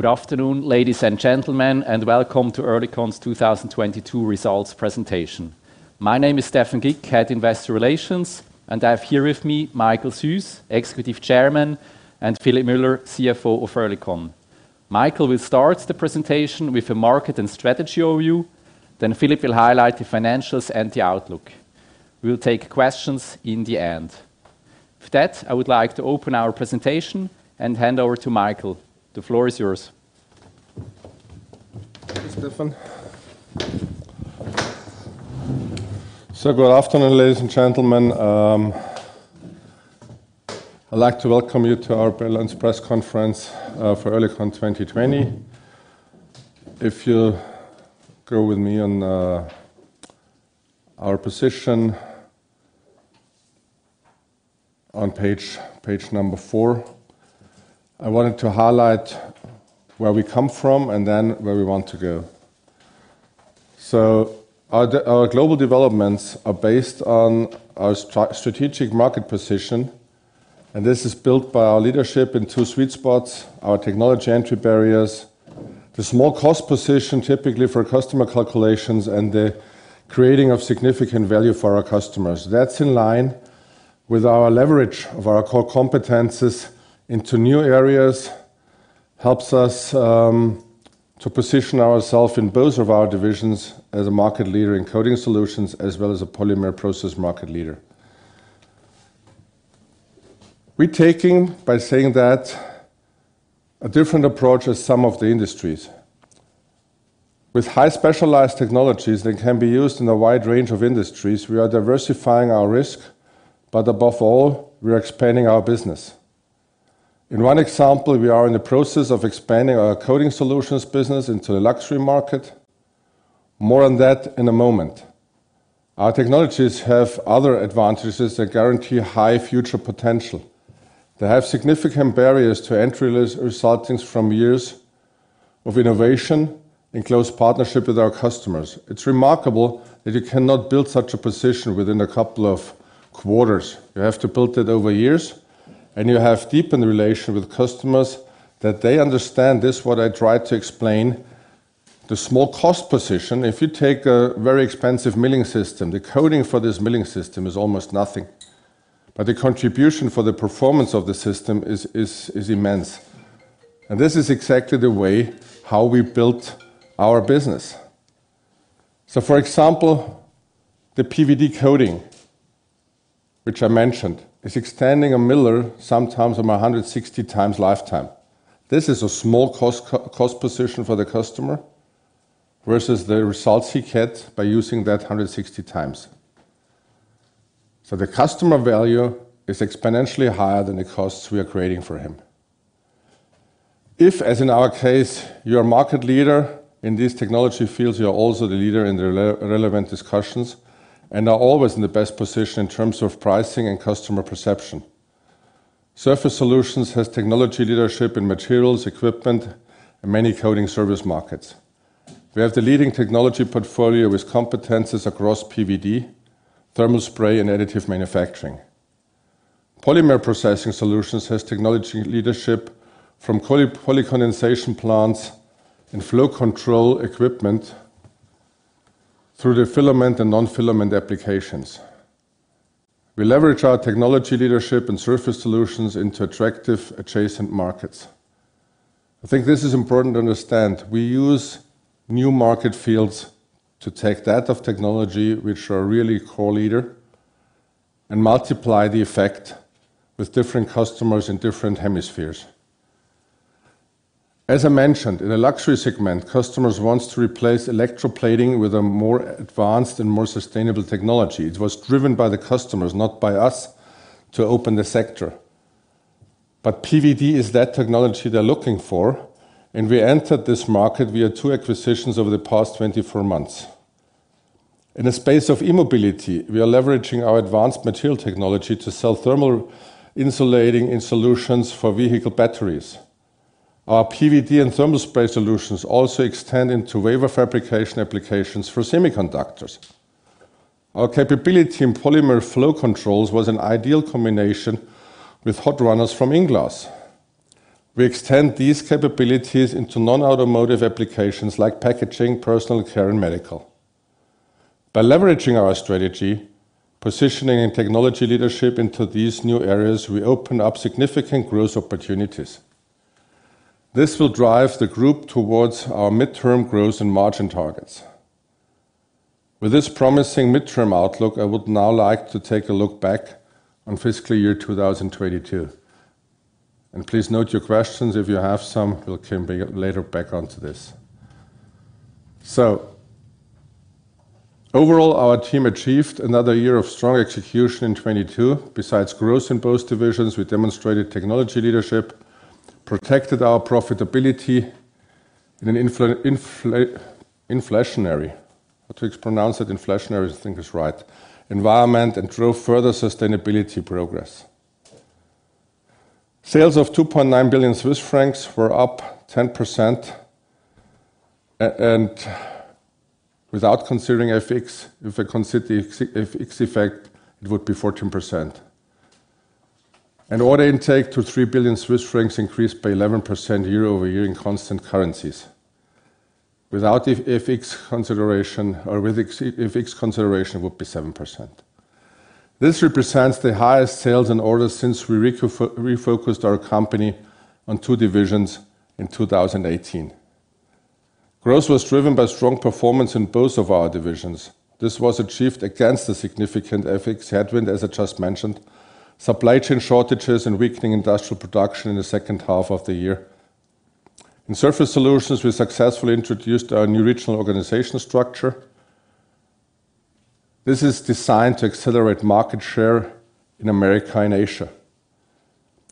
Good afternoon, ladies and gentlemen, and welcome to Oerlikon's 2022 results presentation. My name is Stephan Gick, Head Investor Relations, and I have here with me Michael Süss, Executive Chairman, and Philipp Müller, CFO of Oerlikon. Michael will start the presentation with a market and strategy overview, then Philipp will highlight the financials and the outlook. We will take questions in the end. For that, I would like to open our presentation and hand over to Michael. The floor is yours. Thanks, Stephan. Good afternoon, ladies and gentlemen. I'd like to welcome you to our Oerlikon's press conference for Oerlikon 2020. If you go with me on our position on page number four, I wanted to highlight where we come from and then where we want to go. Our global developments are based on our strategic market position, and this is built by our leadership in two sweet spots, our technology entry barriers, the small cost position typically for customer calculations, and the creating of significant value for our customers. That's in line with our leverage of our core competences into new areas, helps us to position ourself in both of our divisions as a market leader in coating solutions as well as a polymer process market leader. We're taking, by saying that, a different approach as some of the industries. With high specialized technologies that can be used in a wide range of industries, we are diversifying our risk, above all, we are expanding our business. In one example, we are in the process of expanding our coating solutions business into the luxury market. More on that in a moment. Our technologies have other advantages that guarantee high future potential. They have significant barriers to entry resulting from years of innovation in close partnership with our customers. It's remarkable that you cannot build such a position within a couple of quarters. You have to build it over years, you have deepened the relationship with customers that they understand this what I tried to explain, the small cost position. If you take a very expensive milling system, the coating for this milling system is almost nothing. The contribution for the performance of the system is immense. This is exactly the way how we built our business. For example, the PVD coating, which I mentioned, is extending a miller sometimes from 160x lifetime. This is a small cost position for the customer versus the results he gets by using that 160x. The customer value is exponentially higher than the costs we are creating for him. If, as in our case, you're a market leader in these technology fields, you're also the leader in the relevant discussions and are always in the best position in terms of pricing and customer perception. Surface Solutions has technology leadership in materials, equipment, and many coating service markets. We have the leading technology portfolio with competences across PVD, thermal spray, and additive manufacturing. Polymer Processing Solutions has technology leadership from polycondensation plants and flow control equipment through the filament and non-filament applications. We leverage our technology leadership and Surface Solutions into attractive adjacent markets. I think this is important to understand. We use new market fields to take that of technology which are really core leader and multiply the effect with different customers in different hemispheres. As I mentioned, in the luxury segment, customers wants to replace electroplating with a more advanced and more sustainable technology. It was driven by the customers, not by us, to open the sector. PVD is that technology they're looking for, and we entered this market via two acquisitions over the past 24 months. In the space of e-mobility, we are leveraging our advanced material technology to sell thermal insulating in solutions for vehicle batteries. Our PVD and thermal spray solutions also extend into wafer fabrication applications for semiconductors. Our capability in polymer flow controls was an ideal combination with hot runners from INglass. We extend these capabilities into non-automotive applications like packaging, personal care, and medical. By leveraging our strategy, positioning, and technology leadership into these new areas, we open up significant growth opportunities. This will drive the group towards our midterm growth and margin targets. With this promising midterm outlook, I would now like to take a look back on fiscal year 2022. Please note your questions if you have some. We'll come later back onto this. Overall, our team achieved another year of strong execution in 22. Besides growth in both divisions, we demonstrated technology leadership, protected our profitability in an inflationary, how to pronounce it, inflationary, I think is right, environment and drove further sustainability progress. Sales of 2.9 billion Swiss francs were up 10% and without considering FX. If I consider the ex-FX effect, it would be 14%. Order intake to 3 billion Swiss francs increased by 11% year-over-year in constant currencies. Without FX consideration or with FX consideration would be 7%. This represents the highest sales and orders since we refocused our company on two divisions in 2018. Growth was driven by strong performance in both of our divisions. This was achieved against a significant FX headwind, as I just mentioned, supply chain shortages, and weakening industrial production in the second half of the year. In Surface Solutions, we successfully introduced our new regional organizational structure. This is designed to accelerate market share in America and Asia.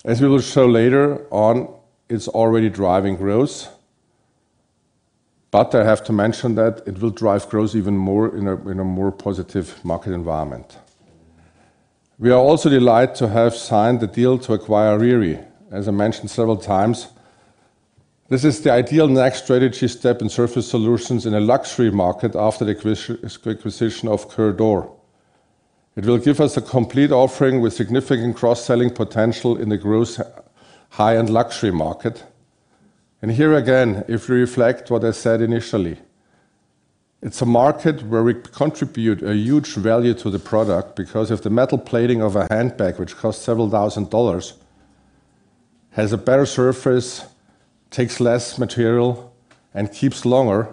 As we will show later on, it's already driving growth. I have to mention that it will drive growth even more in a more positive market environment. We are also delighted to have signed the deal to acquire Riri. As I mentioned several times, this is the ideal next strategy step in Surface Solutions in a luxury market after the acquisition of Coeurdor. It will give us a complete offering with significant cross-selling potential in the growth high-end luxury market. Here again, if we reflect what I said initially, it's a market where we contribute a huge value to the product because if the metal plating of a handbag, which costs $several thousand, has a better surface, takes less material, and keeps longer,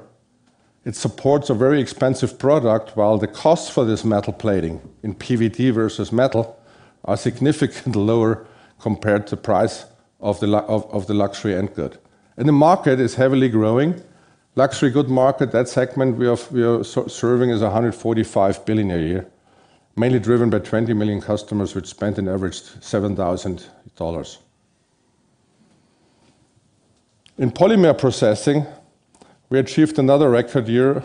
it supports a very expensive product while the cost for this metal plating in PVD versus metal are significantly lower compared to price of the luxury end good. The market is heavily growing. Luxury good market, that segment we are serving is $145 billion a year, mainly driven by 20 million customers which spent an average $7,000. In Polymer Processing, we achieved another record year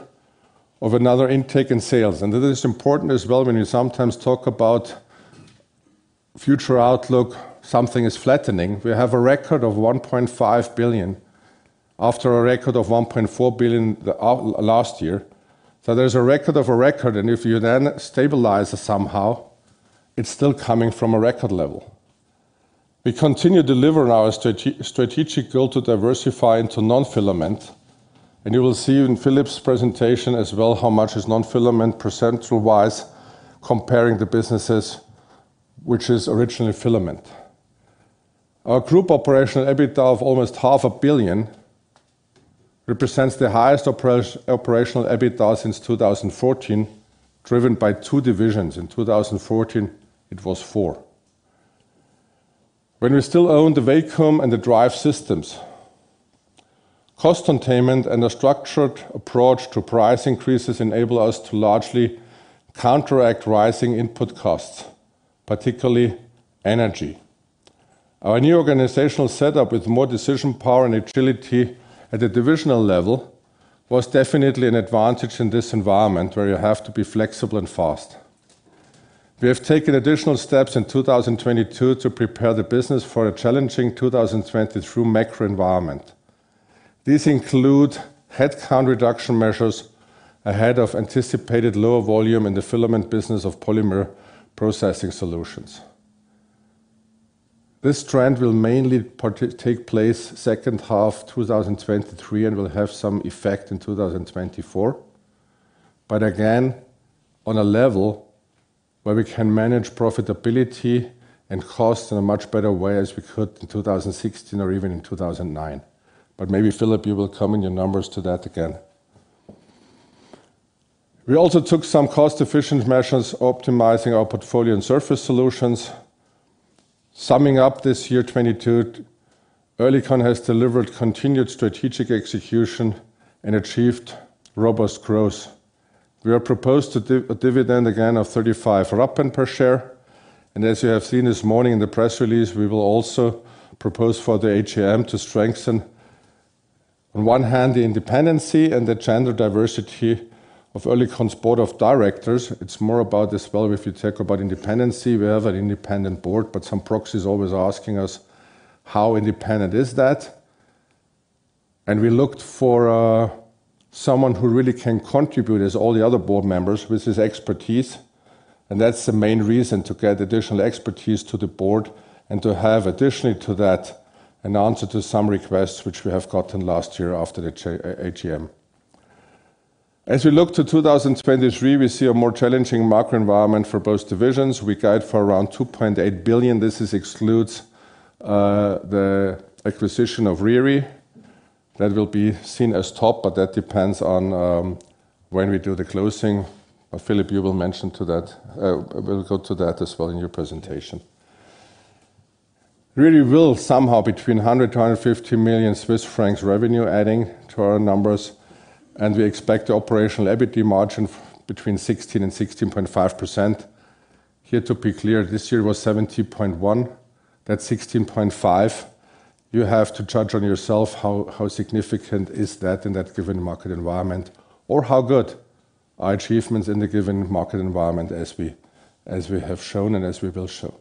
of another intake in sales. This is important as well when you sometimes talk about future outlook, something is flattening. We have a record of $1.5 billion after a record of $1.4 billion last year. There's a record of a record, and if you then stabilize it somehow, it's still coming from a record level. We continue delivering our strategic goal to diversify into non-filament, and you will see in Philipp's presentation as well how much is non-filament percentual wise comparing the businesses which is originally filament. Our group operational EBITA of almost half a billion represents the highest operational EBITA since 2014, driven by two divisions. In 2014, it was. When we still owned the Vacuum and the Drive Systems, cost containment and a structured approach to price increases enable us to largely counteract rising input costs, particularly energy. Our new organizational setup with more decision power and agility at the divisional level was definitely an advantage in this environment where you have to be flexible and fast. We have taken additional steps in 2022 to prepare the business for a challenging 2020 through macro environment. These include headcount reduction measures ahead of anticipated lower volume in the filament business of Polymer Processing Solutions. This trend will mainly part-take place second half 2023 and will have some effect in 2024. Again, on a level where we can manage profitability and cost in a much better way as we could in 2016 or even in 2009. Maybe Philipp, you will come in your numbers to that again. We also took some cost-efficient measures optimizing our portfolio in Surface Solutions. Summing up this year 22, Oerlikon has delivered continued strategic execution and achieved robust growth. We are proposed to a dividend again of 35 Rappen per share. As you have seen this morning in the press release, we will also propose for the AGM to strengthen on one hand the independency and the gender diversity of Oerlikon's board of directors. It's more about this, well, if you talk about independency, we have an independent board. Some proxies always asking us, how independent is that? We looked for someone who really can contribute as all the other board members with his expertise. That's the main reason to get additional expertise to the board and to have additionally to that an answer to some requests which we have gotten last year after the AGM. As we look to 2023, we see a more challenging macro environment for both divisions. We guide for around 2.8 billion. This is excludes the acquisition of Riri. That will be seen as top, but that depends on when we do the closing. Philipp, you will mention to that. We'll go to that as well in your presentation. Riri will somehow between 100 million-150 million Swiss francs revenue adding to our numbers, and we expect the operational EBITA margin between 16% and 16.5%. Here to be clear, this year was 17.1%. That's 16.5%. You have to judge on yourself how significant is that in that given market environment or how good our achievements in the given market environment as we have shown and as we will show.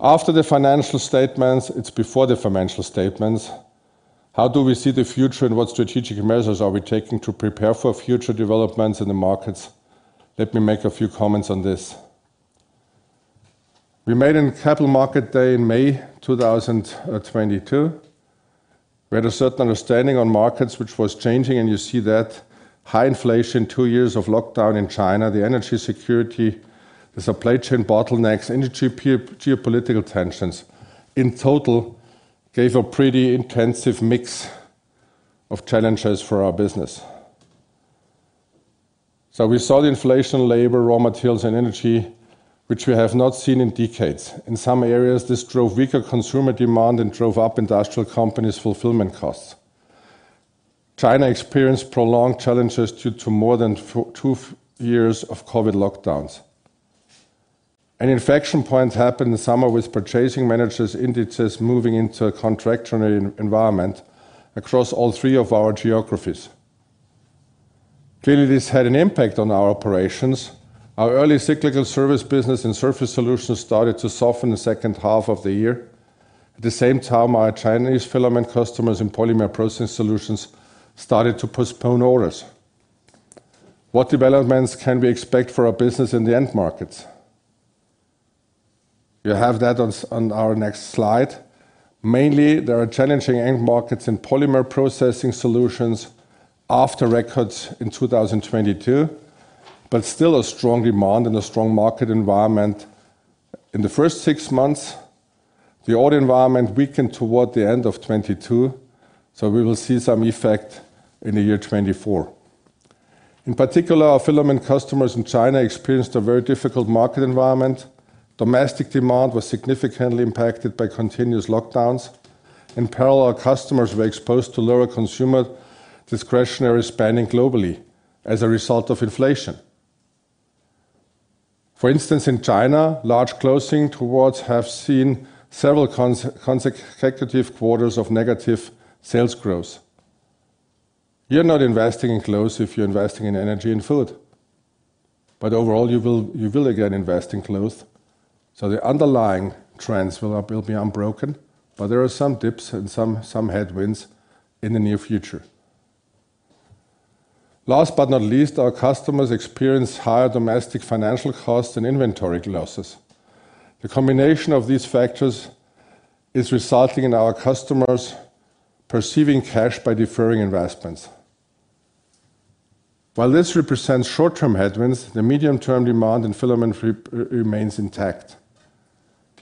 After the financial statements, it's before the financial statements. How do we see the future, and what strategic measures are we taking to prepare for future developments in the markets? Let me make a few comments on this. We made a capital market day in May 2022. We had a certain understanding on markets which was changing, and you see that high inflation, two years of lockdown in China, the energy security, the supply chain bottlenecks, and geopolitical tensions in total gave a pretty intensive mix of challenges for our business. We saw the inflation in labor, raw materials and energy, which we have not seen in decades. In some areas, this drove weaker consumer demand and drove up industrial companies' fulfillment costs. China experienced prolonged challenges due to more than two years of COVID lockdowns. An inflection point happened in the summer with purchasing managers' indices moving into a contractionary environment across all three of our geographies. Clearly, this had an impact on our operations. Our early cyclical service business and Surface Solutions started to soften in the second half of the year. At the same time, our Chinese filament customers in Polymer Processing Solutions started to postpone orders. What developments can we expect for our business in the end markets? You have that on our next slide. Mainly, there are challenging end markets in Polymer Processing Solutions after records in 2022, but still a strong demand and a strong market environment. In the first six months, the order environment weakened toward the end of 2022, so we will see some effect in the year 2024. In particular, our filament customers in China experienced a very difficult market environment. Domestic demand was significantly impacted by continuous lockdowns. In parallel, our customers were exposed to lower consumer discretionary spending globally as a result of inflation. For instance, in China, large clothing towards have seen several consecutive quarters of negative sales growth. You're not investing in clothes if you're investing in energy and food. Overall, you will again invest in clothes. The underlying trends will be unbroken. There are some dips and some headwinds in the near future. Last but not least, our customers experience higher domestic financial costs and inventory losses. The combination of these factors is resulting in our customers preserving cash by deferring investments. While this represents short-term headwinds, the medium-term demand in filament remains intact.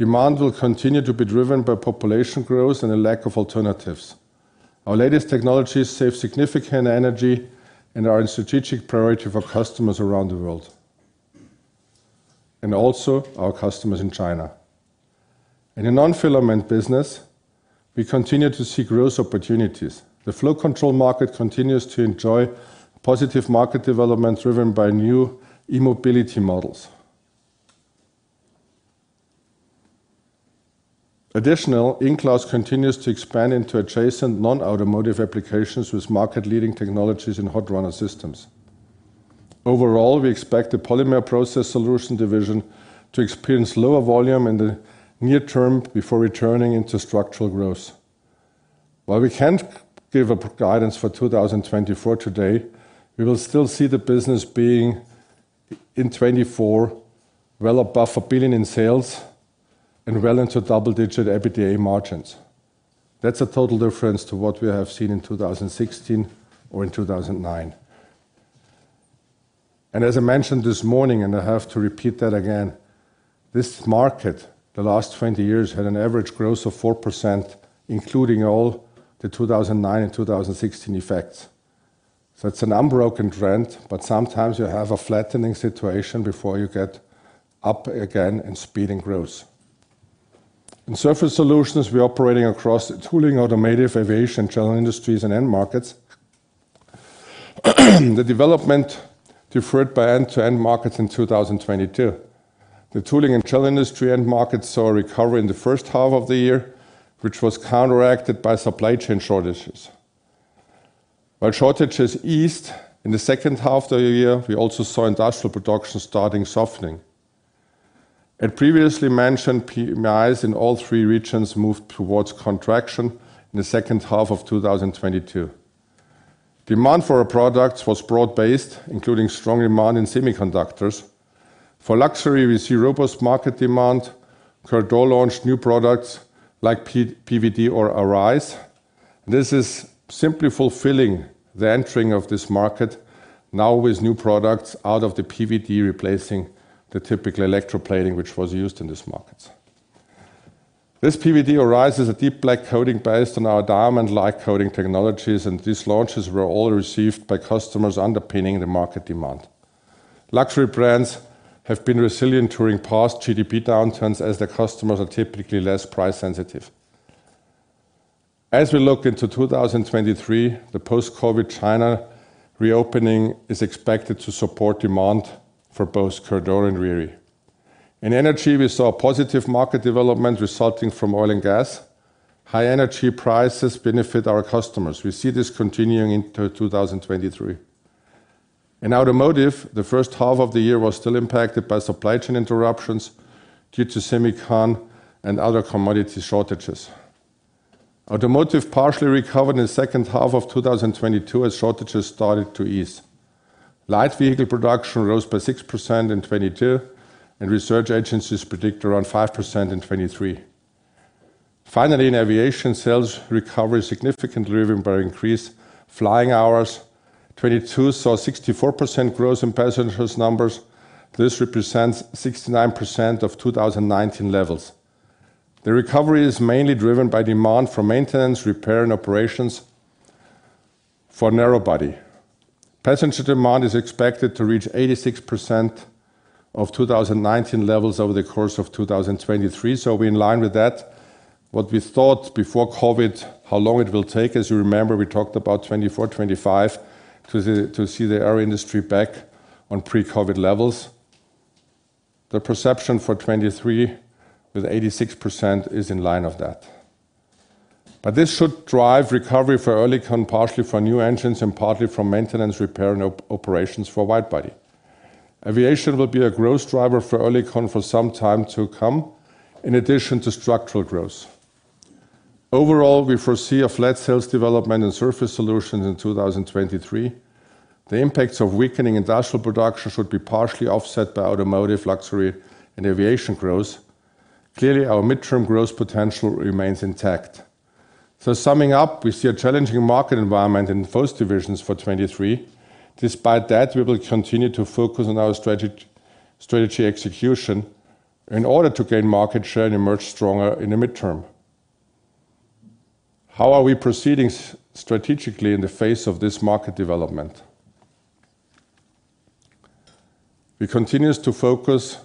Demand will continue to be driven by population growth and a lack of alternatives. Our latest technologies save significant energy and are a strategic priority for customers around the world and also our customers in China. In the non-filament business, we continue to see growth opportunities. The flow control market continues to enjoy positive market development driven by new e-mobility models. INglass continues to expand into adjacent non-automotive applications with market-leading technologies and hot runner systems. Overall, we expect the Polymer Processing Solutions division to experience lower volume in the near term before returning into structural growth. While we can't give a guidance for 2024 today, we will still see the business being in 2024 well above 1 billion in sales and well into double-digit EBITDA margins. That's a total difference to what we have seen in 2016 or in 2009. As I mentioned this morning, I have to repeat that again, this market the last 20 years had an average growth of 4%, including all the 2009 and 2016 effects. It's an unbroken trend, but sometimes you have a flattening situation before you get up again and speeding growth. In Surface Solutions, we are operating across tooling, automotive, aviation, general industries and end markets. The development deferred by end-to-end markets in 2022. The tooling and general industry end markets saw a recovery in the first half of the year, which was counteracted by supply chain shortages. While shortages eased in the second half of the year, we also saw industrial production starting softening. Previously mentioned PMI's in all three regions moved towards contraction in the second half of 2022. Demand for our products was broad-based, including strong demand in semiconductors. For luxury, we see robust market demand. Coeurdor launched new products like PVD or Arise. This is simply fulfilling the entering of this market now with new products out of the PVD, replacing the typical electroplating which was used in this market. This PVD Arise is a deep black coating based on our diamond-like coating technologies. These launches were all received by customers underpinning the market demand. Luxury brands have been resilient during past GDP downturns as their customers are typically less price-sensitive. As we look into 2023, the post-COVID China reopening is expected to support demand for both Coeurdor and Riri. In energy, we saw positive market development resulting from oil and gas. High energy prices benefit our customers. We see this continuing into 2023. In automotive, the first half of the year was still impacted by supply chain interruptions due to semicon and other commodity shortages. Automotive partially recovered in the second half of 2022 as shortages started to ease. Light vehicle production rose by 6% in 22. Research agencies predict around 5% in 23. Finally, in aviation, sales recovery significantly driven by increased flying hours. 2022 saw 64% growth in passengers numbers. This represents 69% of 2019 levels. The recovery is mainly driven by demand for maintenance, repair, and operations for narrow-body. Passenger demand is expected to reach 86% of 2019 levels over the course of 2023. We're in line with that. What we thought before COVID, how long it will take, as you remember, we talked about 2024, 2025 to see the air industry back on pre-COVID levels. The perception for 2023 with 86% is in line of that. This should drive recovery for Oerlikon, partially for new engines and partly from maintenance, repair, and operations for wide-body. Aviation will be a growth driver for Oerlikon for some time to come, in addition to structural growth. Overall, we foresee a flat sales development in Surface Solutions in 2023. The impacts of weakening industrial production should be partially offset by automotive, luxury, and aviation growth. Clearly, our midterm growth potential remains intact. Summing up, we see a challenging market environment in those divisions for 2023. Despite that, we will continue to focus on our strategy execution in order to gain market share and emerge stronger in the midterm. How are we proceeding strategically in the face of this market development? We continues to focus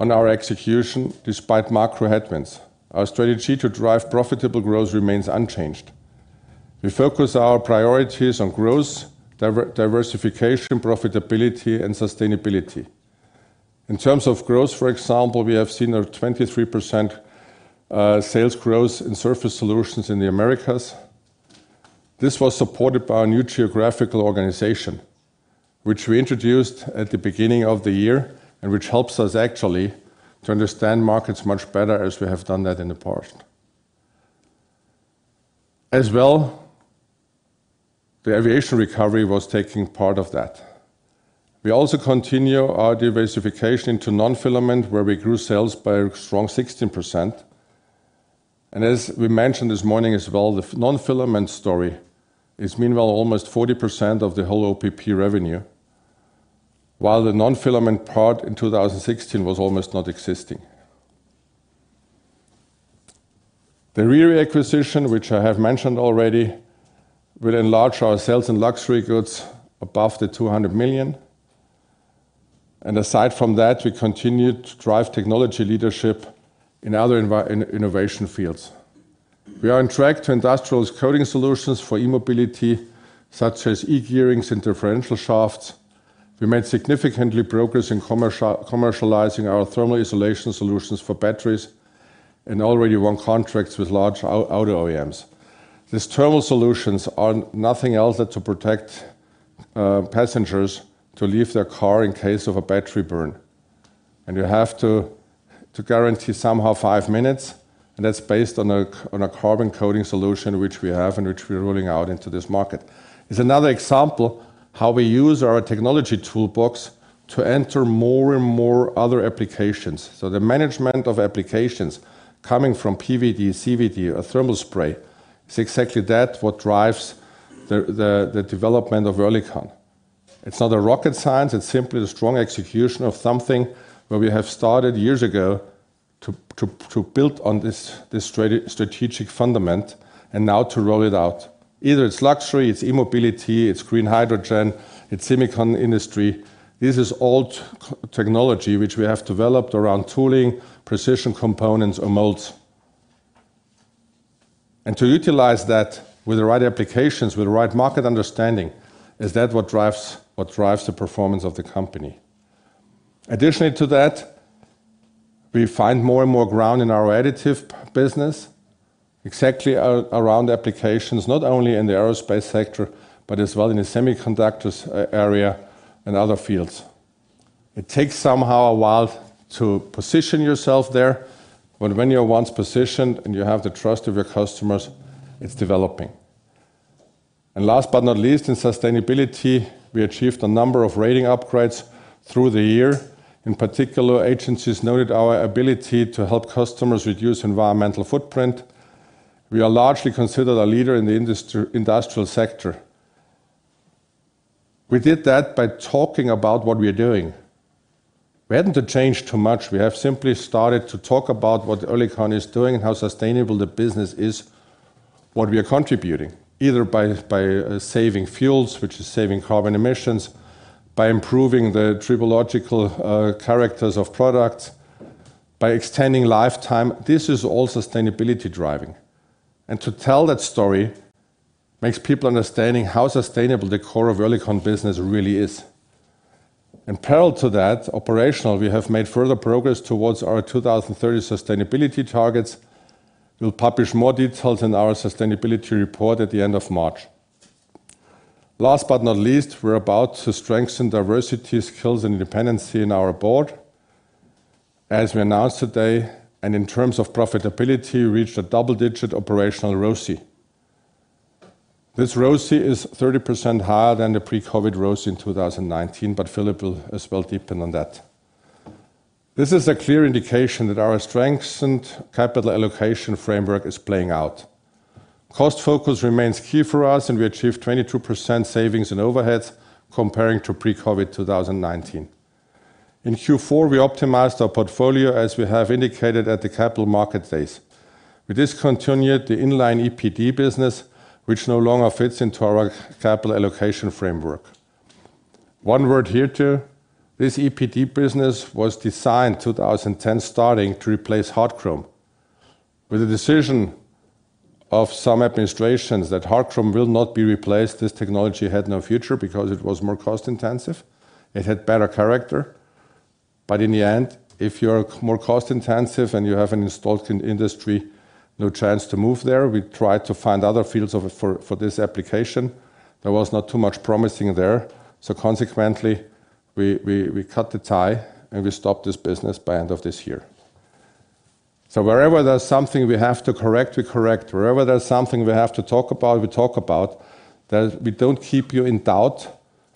on our execution despite macro headwinds. Our strategy to drive profitable growth remains unchanged. We focus our priorities on growth, diversification, profitability, and sustainability. In terms of growth, for example, we have seen a 23% sales growth in Surface Solutions in the Americas. This was supported by our new geographical organization, which we introduced at the beginning of the year, which helps us actually to understand markets much better as we have done that in the past. The aviation recovery was taking part of that. We also continue our diversification to non-filament, where we grew sales by a strong 16%. As we mentioned this morning as well, the non-filament story is meanwhile almost 40% of the whole OPP revenue, while the non-filament part in 2016 was almost not existing. The Riri acquisition, which I have mentioned already, will enlarge our sales in luxury goods above the 200 million. Aside from that, we continue to drive technology leadership in other in-innovation fields. We are on track to industrials coating solutions for e-mobility, such as e-gearing and differential shafts. We made significantly progress in commercializing our thermal insulation solutions for batteries and already won contracts with large auto OEMs. These thermal solutions are nothing else than to protect passengers to leave their car in case of a battery burn. You have to guarantee somehow five minutes, and that's based on a carbon coating solution which we have and which we're rolling out into this market. It's another example how we use our technology toolbox to enter more and more other applications. The management of applications coming from PVD, CVD, or thermal spray is exactly that what drives the development of Oerlikon. It's not a rocket science, it's simply the strong execution of something where we have started years ago to build on this strategic fundament and now to roll it out. Either it's luxury, it's e-mobility, it's green hydrogen, it's semicon industry. This is old technology which we have developed around tooling, precision components or molds. To utilize that with the right applications, with the right market understanding, is that what drives the performance of the company. Additionally to that, we find more and more ground in our additive business, exactly around applications, not only in the aerospace sector, but as well in the semiconductors area and other fields. It takes somehow a while to position yourself there, but when you're once positioned and you have the trust of your customers, it's developing. Last but not least, in sustainability, we achieved a number of rating upgrades through the year. In particular, agencies noted our ability to help customers reduce environmental footprint. We are largely considered a leader in the industrial sector. We did that by talking about what we are doing. We hadn't to change too much. We have simply started to talk about what Oerlikon is doing and how sustainable the business is, what we are contributing, either by saving fuels, which is saving carbon emissions, by improving the tribological characters of products, by extending lifetime. This is all sustainability driving. To tell that story makes people understanding how sustainable the core of Oerlikon business really is. Parallel to that, operational, we have made further progress towards our 2030 sustainability targets. We'll publish more details in our sustainability report at the end of March. Last but not least, we're about to strengthen diversity skills and dependency in our board, as we announced today. In terms of profitability, reached a double-digit operational ROCE. This ROCE is 30% higher than the pre-COVID ROCE in 2019. Philipp will as well deepen on that. This is a clear indication that our strengthened capital allocation framework is playing out. Cost focus remains key for us. We achieved 22% savings in overheads comparing to pre-COVID 2019. In Q4, we optimized our portfolio as we have indicated at the capital market phase. We discontinued the in-line EPD business, which no longer fits into our capital allocation framework. One word here, too, this EPD business was designed 2010, starting to replace hard chrome. With the decision of some administrations that hard chrome will not be replaced, this technology had no future because it was more cost-intensive. It had better character. In the end, if you're more cost-intensive and you have an installed industry, no chance to move there. We tried to find other fields for this application. There was not too much promising there. Consequently, we cut the tie, and we stop this business by end of this year. Wherever there's something we have to correct, we correct. Wherever there's something we have to talk about, we talk about. We don't keep you in doubt.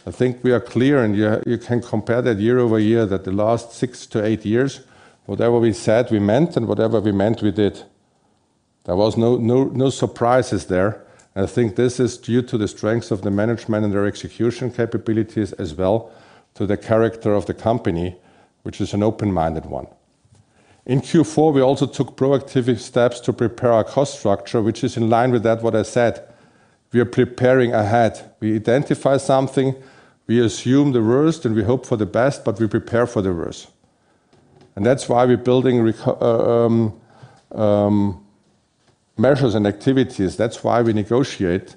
I think we are clear, and you can compare that year-over-year that the last six to eight years, whatever we said we meant and whatever we meant we did. There was no surprises there. I think this is due to the strengths of the management and their execution capabilities as well, to the character of the company, which is an open-minded one. In Q4, we also took proactive steps to prepare our cost structure, which is in line with that what I said, we are preparing ahead. We identify something, we assume the worst, and we hope for the best, but we prepare for the worst. That's why we're building measures and activities. That's why we negotiate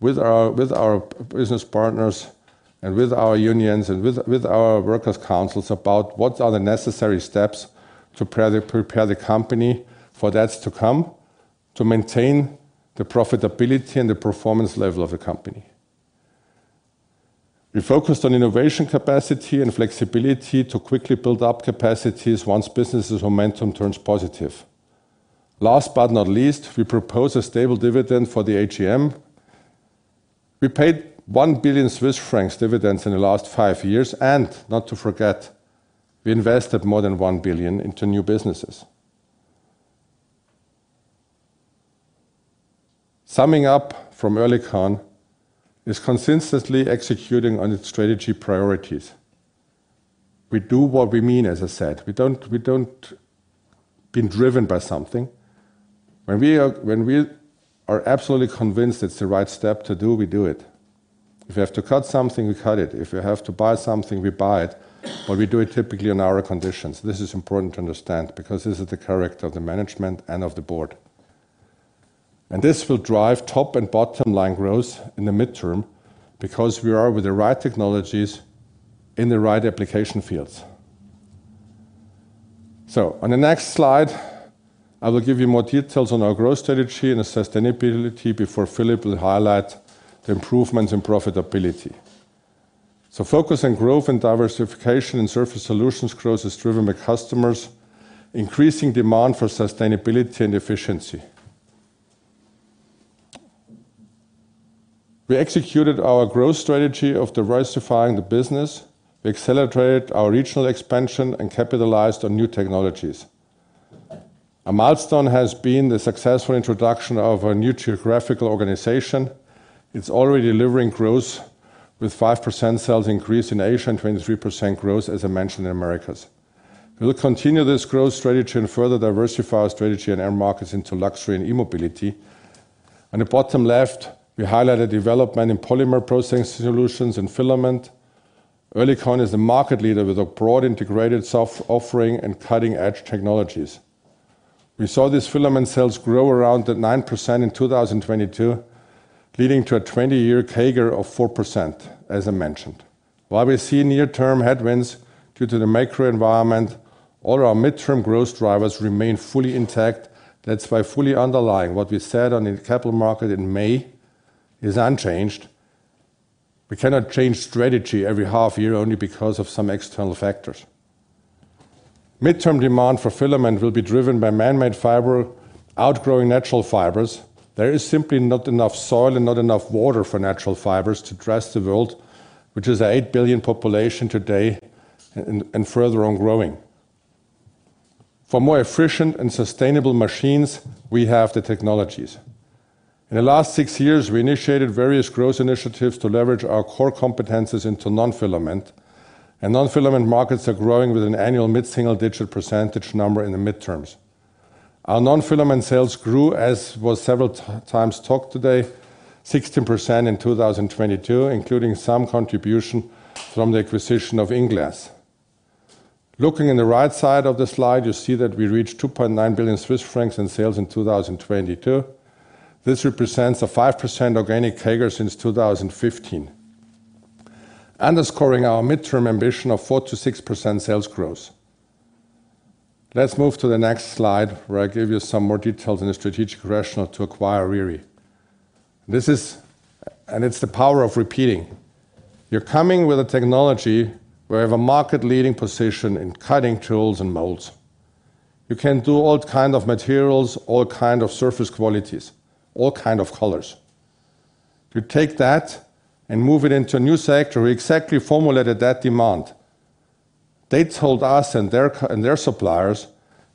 with our business partners and with our unions and with our workers councils about what are the necessary steps to pre-prepare the company for that to come, to maintain the profitability and the performance level of the company. We focused on innovation capacity and flexibility to quickly build up capacities once business's momentum turns positive. Last but not least, we propose a stable dividend for the AGM. We paid 1 billion Swiss francs dividends in the last five years. Not to forget, we invested more than 1 billion into new businesses. Summing up from Oerlikon is consistently executing on its strategy priorities. We do what we mean, as I said. We don't been driven by something. When we are absolutely convinced it's the right step to do, we do it. If we have to cut something, we cut it. If we have to buy something, we buy it. We do it typically on our conditions. This is important to understand because this is the character of the management and of the board. This will drive top and bottom-line growth in the mid-term because we are with the right technologies in the right application fields. On the next slide, I will give you more details on our growth strategy and the sustainability before Philipp will highlight the improvements in profitability. Focus on growth and diversification in Surface Solutions growth is driven by customers' increasing demand for sustainability and efficiency. We executed our growth strategy of diversifying the business. We accelerated our regional expansion and capitalized on new technologies. A milestone has been the successful introduction of a new geographical organization. It's already delivering growth with 5% sales increase in Asia and 23% growth, as I mentioned, in Americas. We will continue this growth strategy and further diversify our strategy and end markets into luxury and e-mobility. On the bottom left, we highlight a development in Polymer Processing Solutions and filament. Oerlikon is a market leader with a broad integrated soft offering and cutting-edge technologies. We saw these filament sales grow around at 9% in 2022, leading to a 20-year CAGR of 4%, as I mentioned. While we see near-term headwinds due to the macro environment, all our mid-term growth drivers remain fully intact. That's why fully underlying what we said on the capital market in May is unchanged. We cannot change strategy every half year only because of some external factors. Mid-term demand for filament will be driven by man-made fiber outgrowing natural fibers. There is simply not enough soil and not enough water for natural fibers to dress the world, which is an 8 billion population today and further on growing. For more efficient and sustainable machines, we have the technologies. In the last six years, we initiated various growth initiatives to leverage our core competencies into non-filament. Non-filament markets are growing with an annual mid-single-digit percentage number in the midterms. Our non-filament sales grew, as was several times talked today, 16% in 2022, including some contribution from the acquisition of INglass. Looking in the right side of the slide, you see that we reached 2.9 billion Swiss francs in sales in 2022. This represents a 5% organic CAGR since 2015, underscoring our midterm ambition of 4%-6% sales growth. Let's move to the next slide, where I give you some more details in the strategic rationale to acquire Riri. This is. It's the power of repeating. You're coming with a technology where you have a market-leading position in cutting tools and molds. You can do all kind of materials, all kind of surface qualities, all kind of colors. You take that and move it into a new sector. We exactly formulated that demand. They told us and their suppliers,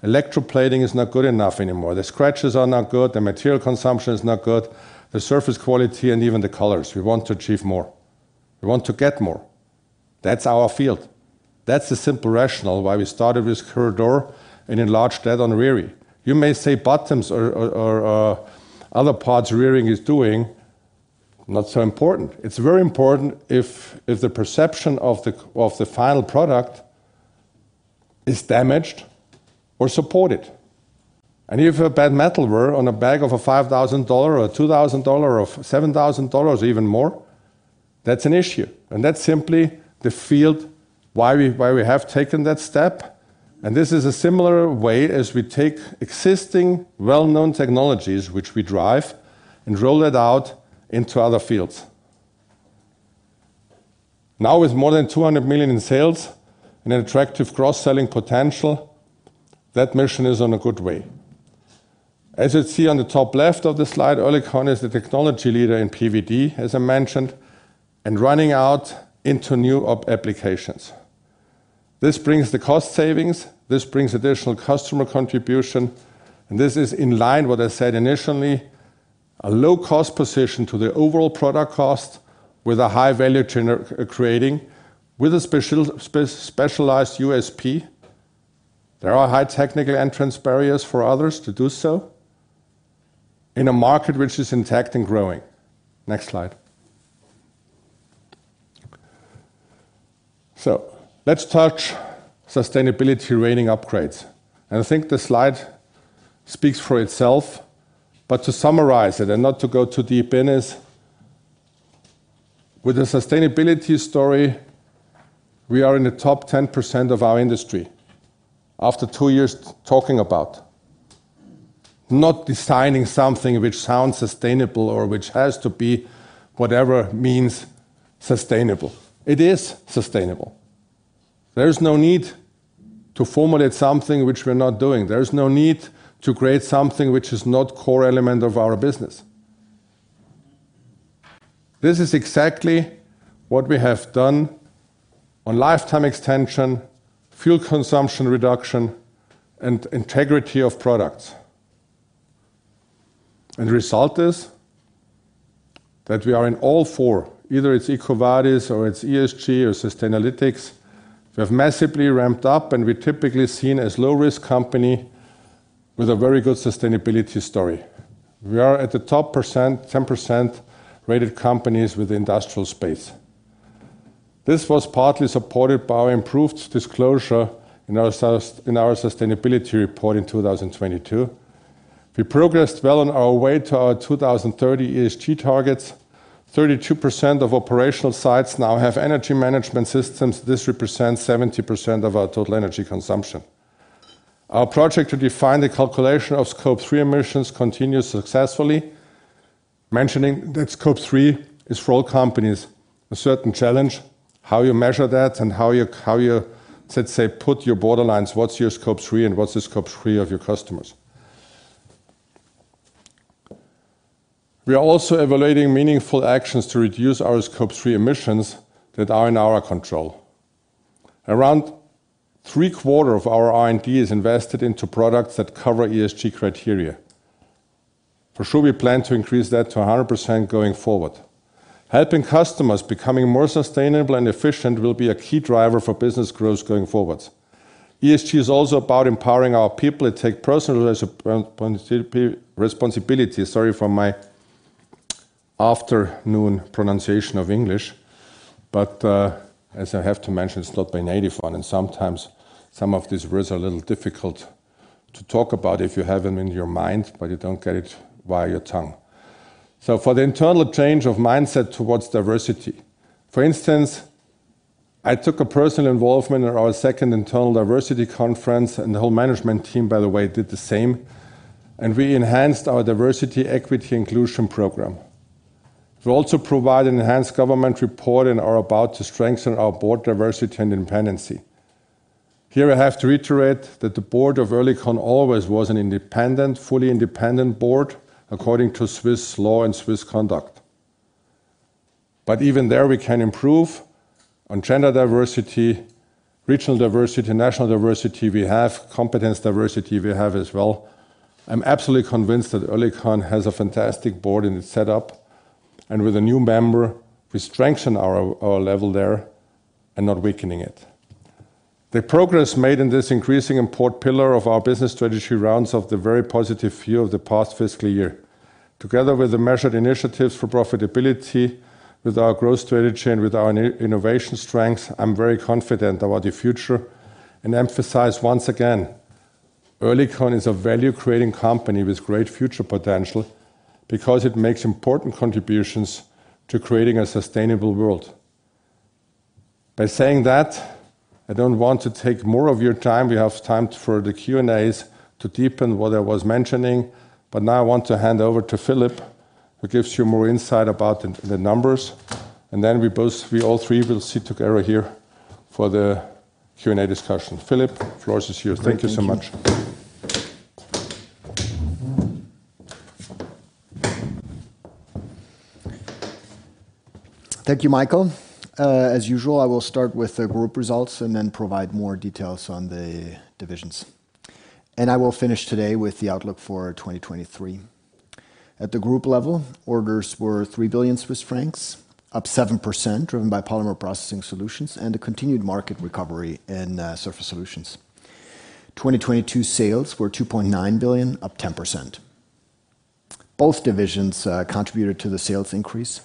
electroplating is not good enough anymore. The scratches are not good, the material consumption is not good, the surface quality, and even the colors. We want to achieve more. We want to get more. That's our field. That's the simple rationale why we started with Coeurdor and enlarged that on Riri. You may say buttons or other parts Riri is doing, not so important. It's very important if the perception of the final product is damaged or supported. If a bad metal were on a bag of a CHF 5,000 or CHF 2,000 or CHF 7,000 even more, that's an issue. That's simply the field why we have taken that step. This is a similar way as we take existing well-known technologies which we drive and roll it out into other fields. Now, with more than 200 million in sales and an attractive cross-selling potential, that mission is on a good way. As you'd see on the top left of the slide, Oerlikon is the technology leader in PVD, as I mentioned, and running out into new applications. This brings the cost savings, this brings additional customer contribution, and this is in line what I said initially, a low-cost position to the overall product cost with a high-value chain, creating with a specialized USP. There are high technical entrance barriers for others to do so in a market which is intact and growing. Next slide. Let's touch sustainability rating upgrades. I think the slide speaks for itself. But to summarize it and not to go too deep in is with the sustainability story, we are in the top 10% of our industry after two years talking about. Not designing something which sounds sustainable or which has to be whatever means sustainable. It is sustainable. There is no need to formulate something which we're not doing. There is no need to create something which is not core element of our business. This is exactly what we have done on lifetime extension, fuel consumption reduction, and integrity of products. The result is that we are in all four, either it's EcoVadis or it's ESG or Sustainalytics. We have massively ramped up, we're typically seen as low-risk company with a very good sustainability story. We are at the top 10% rated companies with industrial space. This was partly supported by our improved disclosure in our sustainability report in 2022. We progressed well on our way to our 2030 ESG targets. 32% of operational sites now have energy management systems. This represents 70% of our total energy consumption. Our project to define the calculation of Scope three emissions continues successfully. Mentioning that Scope three is for all companies a certain challenge, how you measure that and how you, let's say, put your borderlines, what's your Scope three and what's the Scope three of your customers. We are also evaluating meaningful actions to reduce our Scope three emissions that are in our control. Around three-quarter of our R&D is invested into products that cover ESG criteria. For sure, we plan to increase that to 100% going forward. Helping customers becoming more sustainable and efficient will be a key driver for business growth going forward. ESG is also about empowering our people to take personal responsibility. Sorry for my afternoon pronunciation of English, but as I have to mention, it's not my native one, and sometimes some of these words are a little difficult to talk about if you have them in your mind, but you don't get it via your tongue. For the internal change of mindset towards diversity, for instance, I took a personal involvement in our second internal diversity conference. The whole management team, by the way, did the same. We enhanced our diversity, equity, inclusion program. We also provide enhanced government reporting and are about to strengthen our board diversity and independency. Here I have to reiterate that the board of Oerlikon always was an independent, fully independent board according to Swiss law and Swiss conduct. Even there, we can improve on gender diversity, regional diversity, national diversity we have, competence diversity we have as well. I'm absolutely convinced that Oerlikon has a fantastic board and it's set up, and with a new member, we strengthen our level there and not weakening it. The progress made in this increasing important pillar of our business strategy rounds off the very positive view of the past fiscal year. Together with the measured initiatives for profitability, with our growth strategy, and with our innovation strength, I'm very confident about the future and emphasize once again, Oerlikon is a value-creating company with great future potential because it makes important contributions to creating a sustainable world. By saying that, I don't want to take more of your time. We have time for the Q&As to deepen what I was mentioning, but now I want to hand over to Philipp, who gives you more insight about the numbers, and then we all three will sit together here for the Q&A discussion. Philipp, the floor is yours. Thank you so much. Thank you. Thank you, Michael. As usual, I will start with the group results and then provide more details on the divisions. I will finish today with the outlook for 2023. At the group level, orders were 3 billion Swiss francs, up 7%, driven by Polymer Processing Solutions and a continued market recovery in Surface Solutions. 2022 sales were 2.9 billion, up 10%. Both divisions contributed to the sales increase,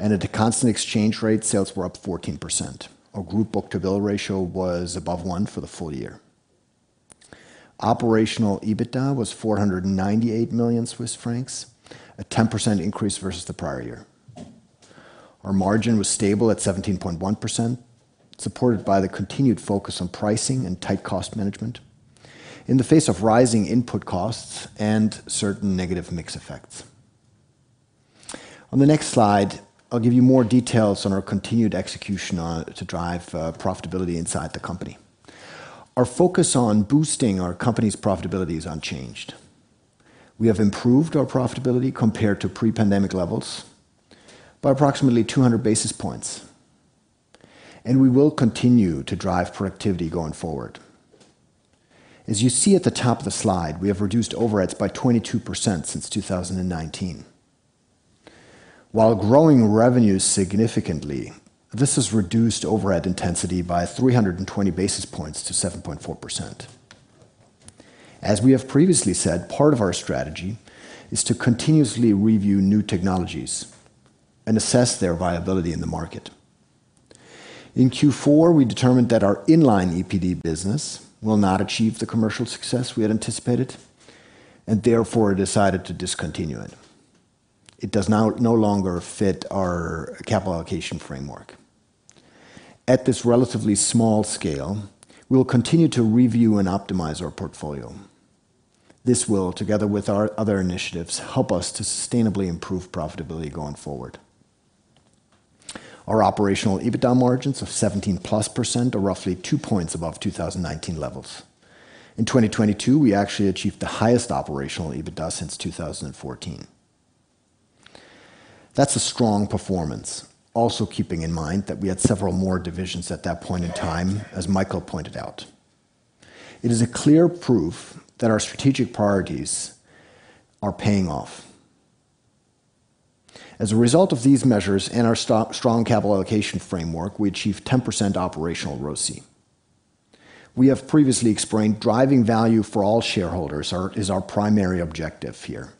at a constant exchange rate, sales were up 14%. Our group book-to-bill ratio was above 1 for the full year. Operational EBITDA was 498 million Swiss francs, a 10% increase versus the prior year. Our margin was stable at 17.1%, supported by the continued focus on pricing and tight cost management in the face of rising input costs and certain negative mix effects. On the next slide, I'll give you more details on our continued execution on to drive profitability inside the company. Our focus on boosting our company's profitability is unchanged. We have improved our profitability compared to pre-pandemic levels by approximately 200 basis points, and we will continue to drive productivity going forward. As you see at the top of the slide, we have reduced overheads by 22% since 2019. While growing revenue significantly, this has reduced overhead intensity by 320 basis points to 7.4%. As we have previously said, part of our strategy is to continuously review new technologies and assess their viability in the market. In Q4, we determined that our in-line EPD business will not achieve the commercial success we had anticipated and therefore decided to discontinue it. It does now no longer fit our capital allocation framework. At this relatively small scale, we will continue to review and optimize our portfolio. This will, together with our other initiatives, help us to sustainably improve profitability going forward. Our operational EBITDA margins of 17%+ are roughly two points above 2019 levels. In 2022, we actually achieved the highest operational EBITDA since 2014. That's a strong performance. Also, keeping in mind that we had several more divisions at that point in time, as Michael pointed out. It is a clear proof that our strategic priorities are paying off. As a result of these measures and our strong capital allocation framework, we achieved 10% operational ROCE. We have previously explained driving value for all shareholders is our primary objective here.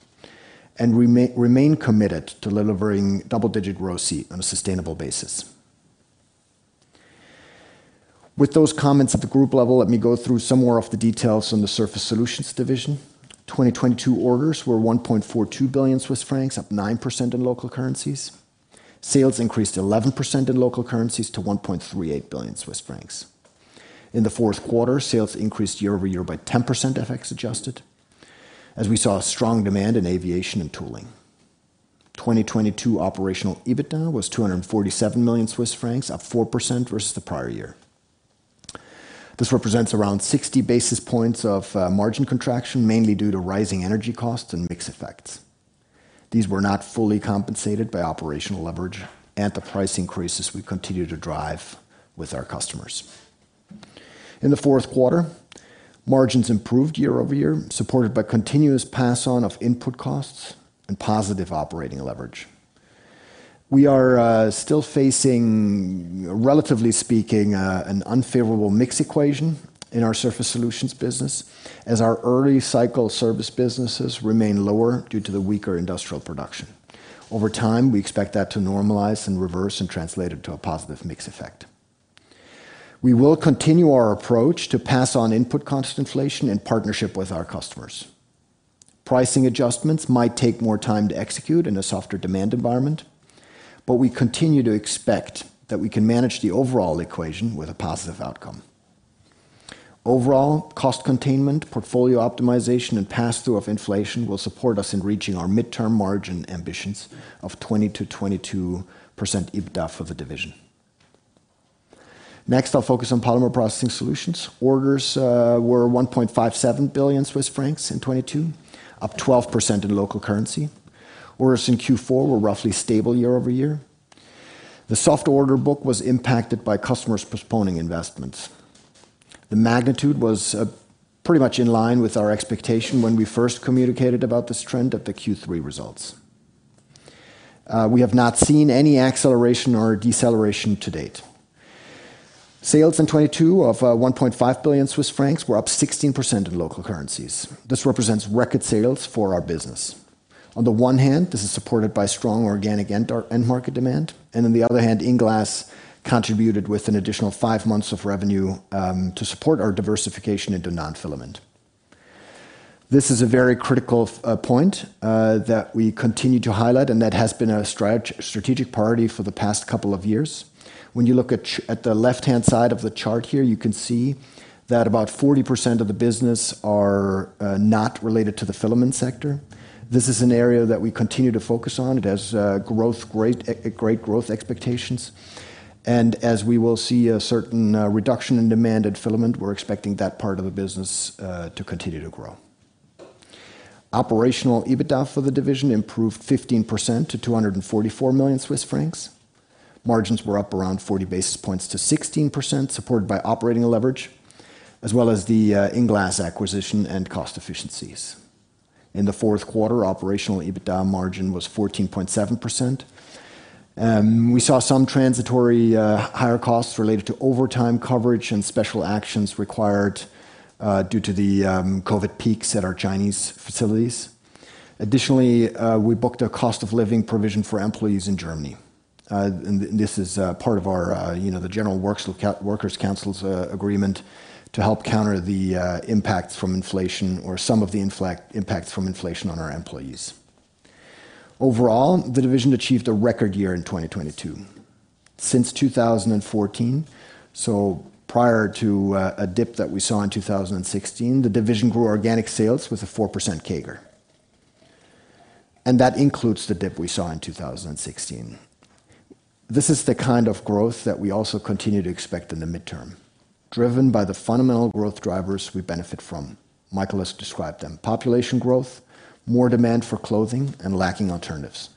We remain committed to delivering double-digit ROCE on a sustainable basis. With those comments at the group level, let me go through some more of the details on the Surface Solutions division. 2022 orders were 1.42 billion Swiss francs, up 9% in local currencies. Sales increased 11% in local currencies to 1.38 billion Swiss francs. In the Q4, sales increased year-over-year by 10% FX adjusted, as we saw a strong demand in aviation and tooling. 2022 operational EBITDA was 247 million Swiss francs, up 4% versus the prior year. This represents around 60 basis points of margin contraction, mainly due to rising energy costs and mix effects. These were not fully compensated by operational leverage and the price increases we continue to drive with our customers. In the Q4, margins improved year-over-year, supported by continuous pass on of input costs and positive operating leverage. We are still facing, relatively speaking, an unfavorable mix equation in our Surface Solutions business as our early cycle service businesses remain lower due to the weaker industrial production. Over time, we expect that to normalize and reverse and translate it to a positive mix effect. We will continue our approach to pass on input cost inflation in partnership with our customers. Pricing adjustments might take more time to execute in a softer demand environment, but we continue to expect that we can manage the overall equation with a positive outcome. Overall, cost containment, portfolio optimization, and passthrough of inflation will support us in reaching our midterm margin ambitions of 20%-22% EBITDA for the division. I'll focus on Polymer Processing Solutions. Orders were 1.57 billion Swiss francs in 2022, up 12% in local currency. Orders in Q4 were roughly stable year-over-year. The soft order book was impacted by customers postponing investments. The magnitude was pretty much in line with our expectation when we first communicated about this trend at the Q3 results. We have not seen any acceleration or deceleration to date. Sales in 2022 of 1.5 billion Swiss francs were up 16% in local currencies. This represents record sales for our business. On the one hand, this is supported by strong organic end or end market demand. On the other hand, INglass contributed with an additional five months of revenue to support our diversification into non-filament. This is a very critical point that we continue to highlight, and that has been a strategic priority for the past couple of years. When you look at the left-hand side of the chart here, you can see that about 40% of the business are not related to the filament sector. This is an area that we continue to focus on. It has great growth expectations. As we will see a certain reduction in demand at Filament, we're expecting that part of the business to continue to grow. Operational EBITDA for the division improved 15% to 244 million Swiss francs. Margins were up around 40 basis points to 16%, supported by operating leverage, as well as the INglass acquisition and cost efficiencies. In the Q4, operational EBITDA margin was 14.7%. We saw some transitory higher costs related to overtime coverage and special actions required due to the COVID peaks at our Chinese facilities. We booked a cost of living provision for employees in Germany. This is part of our, you know, the general works with workers council's agreement to help counter the impacts from inflation or some of the impacts from inflation on our employees. Overall, the division achieved a record year in 2022. Since 2014, so prior to a dip that we saw in 2016, the division grew organic sales with a 4% CAGR. That includes the dip we saw in 2016. This is the kind of growth that we also continue to expect in the midterm, driven by the fundamental growth drivers we benefit from. Michael has described them: population growth, more demand for clothing, and lacking alternatives.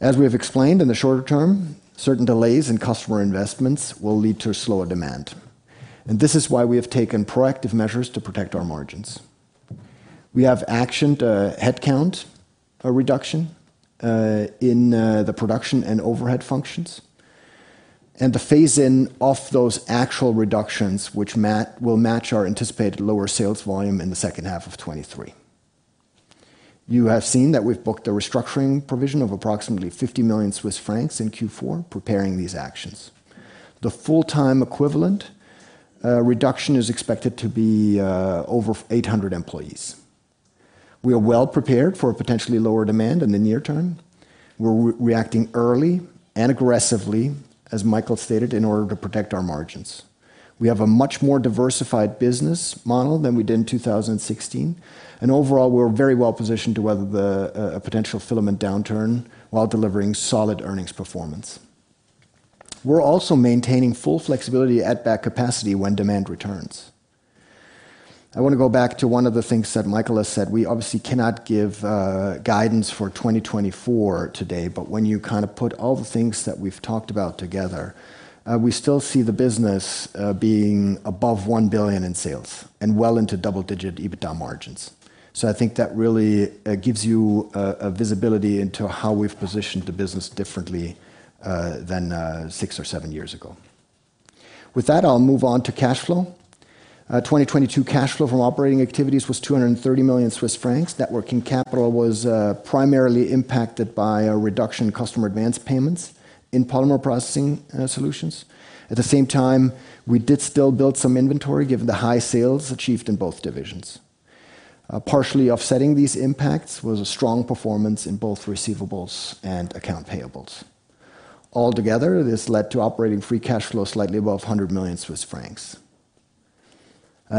As we have explained, in the shorter term, certain delays in customer investments will lead to a slower demand. This is why we have taken proactive measures to protect our margins. We have actioned a headcount, a reduction, in the production and overhead functions, and to phase in off those actual reductions will match our anticipated lower sales volume in the second half of 2023. You have seen that we've booked a restructuring provision of approximately 50 million Swiss francs in Q4 preparing these actions. The full-time equivalent reduction is expected to be over 800 employees. We are well prepared for a potentially lower demand in the near term. We're reacting early and aggressively, as Michael stated, in order to protect our margins. We have a much more diversified business model than we did in 2016, and overall, we're very well positioned to weather the a potential filament downturn while delivering solid earnings performance. We're also maintaining full flexibility at that capacity when demand returns. I wanna go back to one of the things that Michael has said. We obviously cannot give guidance for 2024 today, but when you kind of put all the things that we've talked about together, we still see the business being above 1 billion in sales and well into double-digit EBITDA margins. I think that really gives you a visibility into how we've positioned the business differently than six or seven years ago. With that, I'll move on to cash flow. 2022 cash flow from operating activities was 230 million Swiss francs. Net working capital was primarily impacted by a reduction in customer advance payments in Polymer Processing Solutions. At the same time, we did still build some inventory given the high sales achieved in both divisions. Partially offsetting these impacts was a strong performance in both receivables and account payables. Altogether, this led to operating free cash flow slightly above 100 million Swiss francs.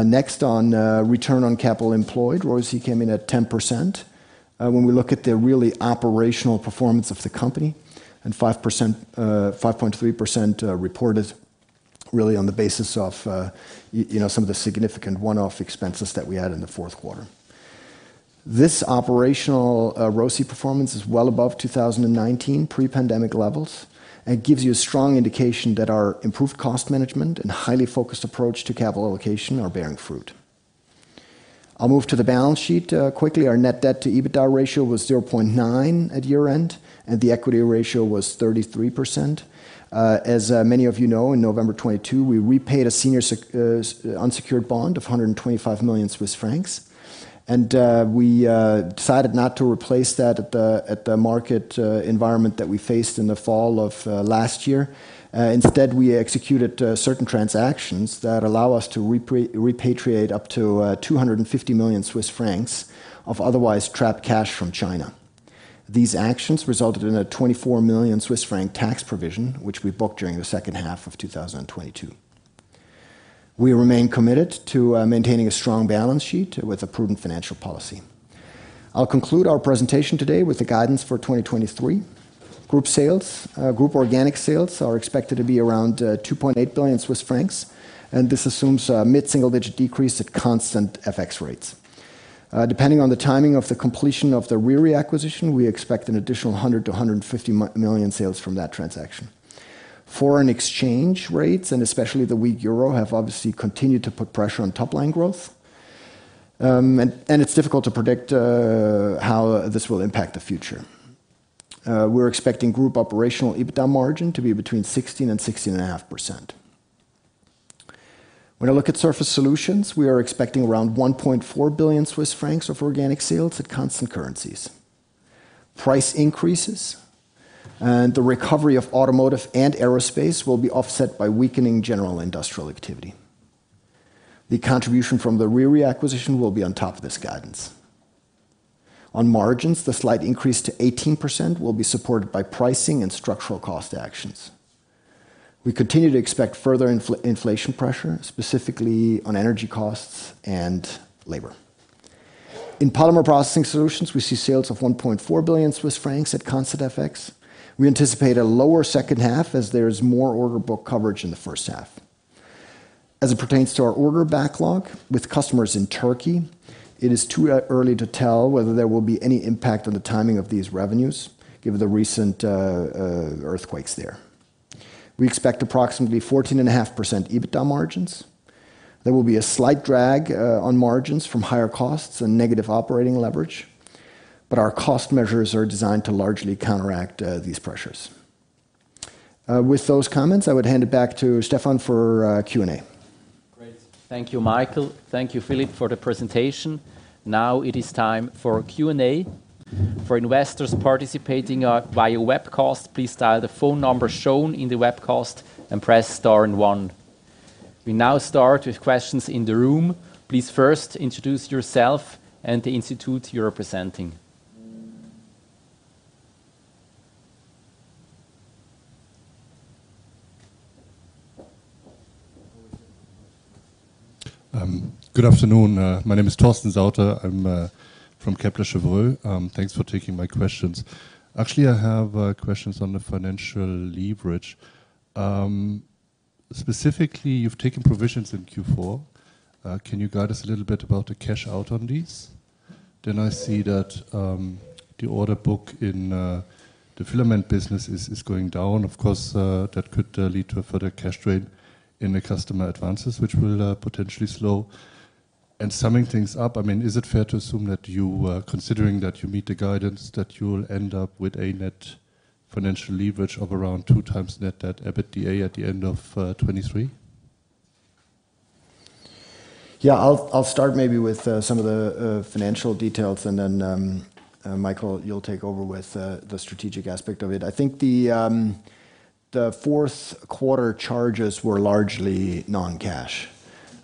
Next on, return on capital employed, ROIC came in at 10%. When we look at the really operational performance of the company and 5%, 5.3% reported really on the basis of, you know, some of the significant one-off expenses that we had in the Q4. This operational ROIC performance is well above 2019 pre-pandemic levels and gives you a strong indication that our improved cost management and highly focused approach to capital allocation are bearing fruit. I'll move to the balance sheet quickly. Our net debt to EBITDA ratio was 0.9 at year-end, and the equity ratio was 33%. As many of you know, in November 2022, we repaid a senior unsecured bond of 125 million Swiss francs, and we decided not to replace that at the market environment that we faced in the fall of last year. Instead, we executed certain transactions that allow us to repatriate up to 250 million Swiss francs of otherwise trapped cash from China. These actions resulted in a 24 million Swiss franc tax provision, which we booked during the second half of 2022. We remain committed to maintaining a strong balance sheet with a prudent financial policy. I'll conclude our presentation today with the guidance for 2023. Group sales, group organic sales are expected to be around 2.8 billion Swiss francs. This assumes a mid-single-digit decrease at constant FX rates. Depending on the timing of the completion of the Riri acquisition, we expect an additional 100 million-150 million sales from that transaction. Foreign exchange rates, especially the weak euro, have obviously continued to put pressure on top-line growth. It's difficult to predict how this will impact the future. We're expecting group operational EBITDA margin to be between 16% and 16.5%. When I look at Surface Solutions, we are expecting around 1.4 billion Swiss francs of organic sales at constant currencies. Price increases and the recovery of automotive and aerospace will be offset by weakening general industrial activity. The contribution from the Riri acquisition will be on top of this guidance. On margins, the slight increase to 18% will be supported by pricing and structural cost actions. We continue to expect further inflation pressure, specifically on energy costs and labor. In Polymer Processing Solutions, we see sales of 1.4 billion Swiss francs at constant FX. We anticipate a lower second half as there is more order book coverage in the first half. As it pertains to our order backlog with customers in Turkey, it is too early to tell whether there will be any impact on the timing of these revenues given the recent earthquakes there. We expect approximately 14.5% EBITDA margins. There will be a slight drag, on margins from higher costs and negative operating leverage, but our cost measures are designed to largely counteract, these pressures. With those comments, I would hand it back to Stephan for Q&A. Great. Thank you, Michael. Thank you, Philip, for the presentation. Now it is time for Q&A. For investors participating via webcast, please dial the phone number shown in the webcast and press star and one. We now start with questions in the room. Please first introduce yourself and the institute you're representing. Good afternoon. My name is Torsten Sauter. I'm from Kepler Cheuvreux. Thanks for taking my questions. Actually, I have questions on the financial leverage. Specifically, you've taken provisions in Q4. Can you guide us a little bit about the cash out on these? I see that the order book in the filament business is going down. Of course, that could lead to a further cash drain in the customer advances, which will potentially slow. Summing things up, I mean, is it fair to assume that you are considering that you meet the guidance, that you will end up with a net financial leverage of around 2x net debt EBITDA at the end of 2023? Yeah. I'll start maybe with some of the financial details, and then Michael, you'll take over with the strategic aspect of it. I think the Q4 charges were largely non-cash,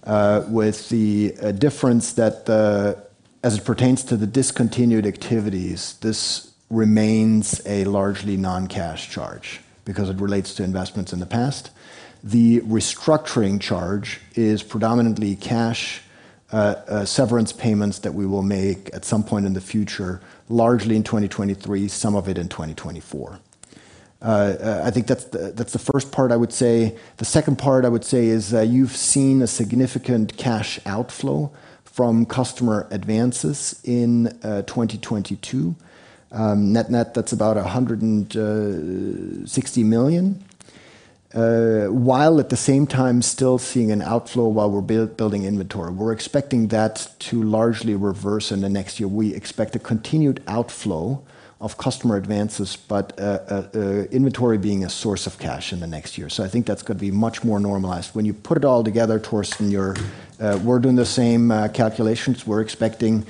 with the difference that as it pertains to the discontinued activities, this remains a largely non-cash charge because it relates to investments in the past. The restructuring charge is predominantly cash, severance payments that we will make at some point in the future, largely in 2023, some of it in 2024. I think that's the first part I would say. The second part I would say is, you've seen a significant cash outflow from customer advances in 2022. Net-net, that's about 160 million. While at the same time still seeing an outflow while we're building inventory. We're expecting that to largely reverse in the next year. We expect a continued outflow of customer advances, but inventory being a source of cash in the next year. I think that's gonna be much more normalized. When you put it all together, Torsten, you're, we're doing the same calculations. We're expecting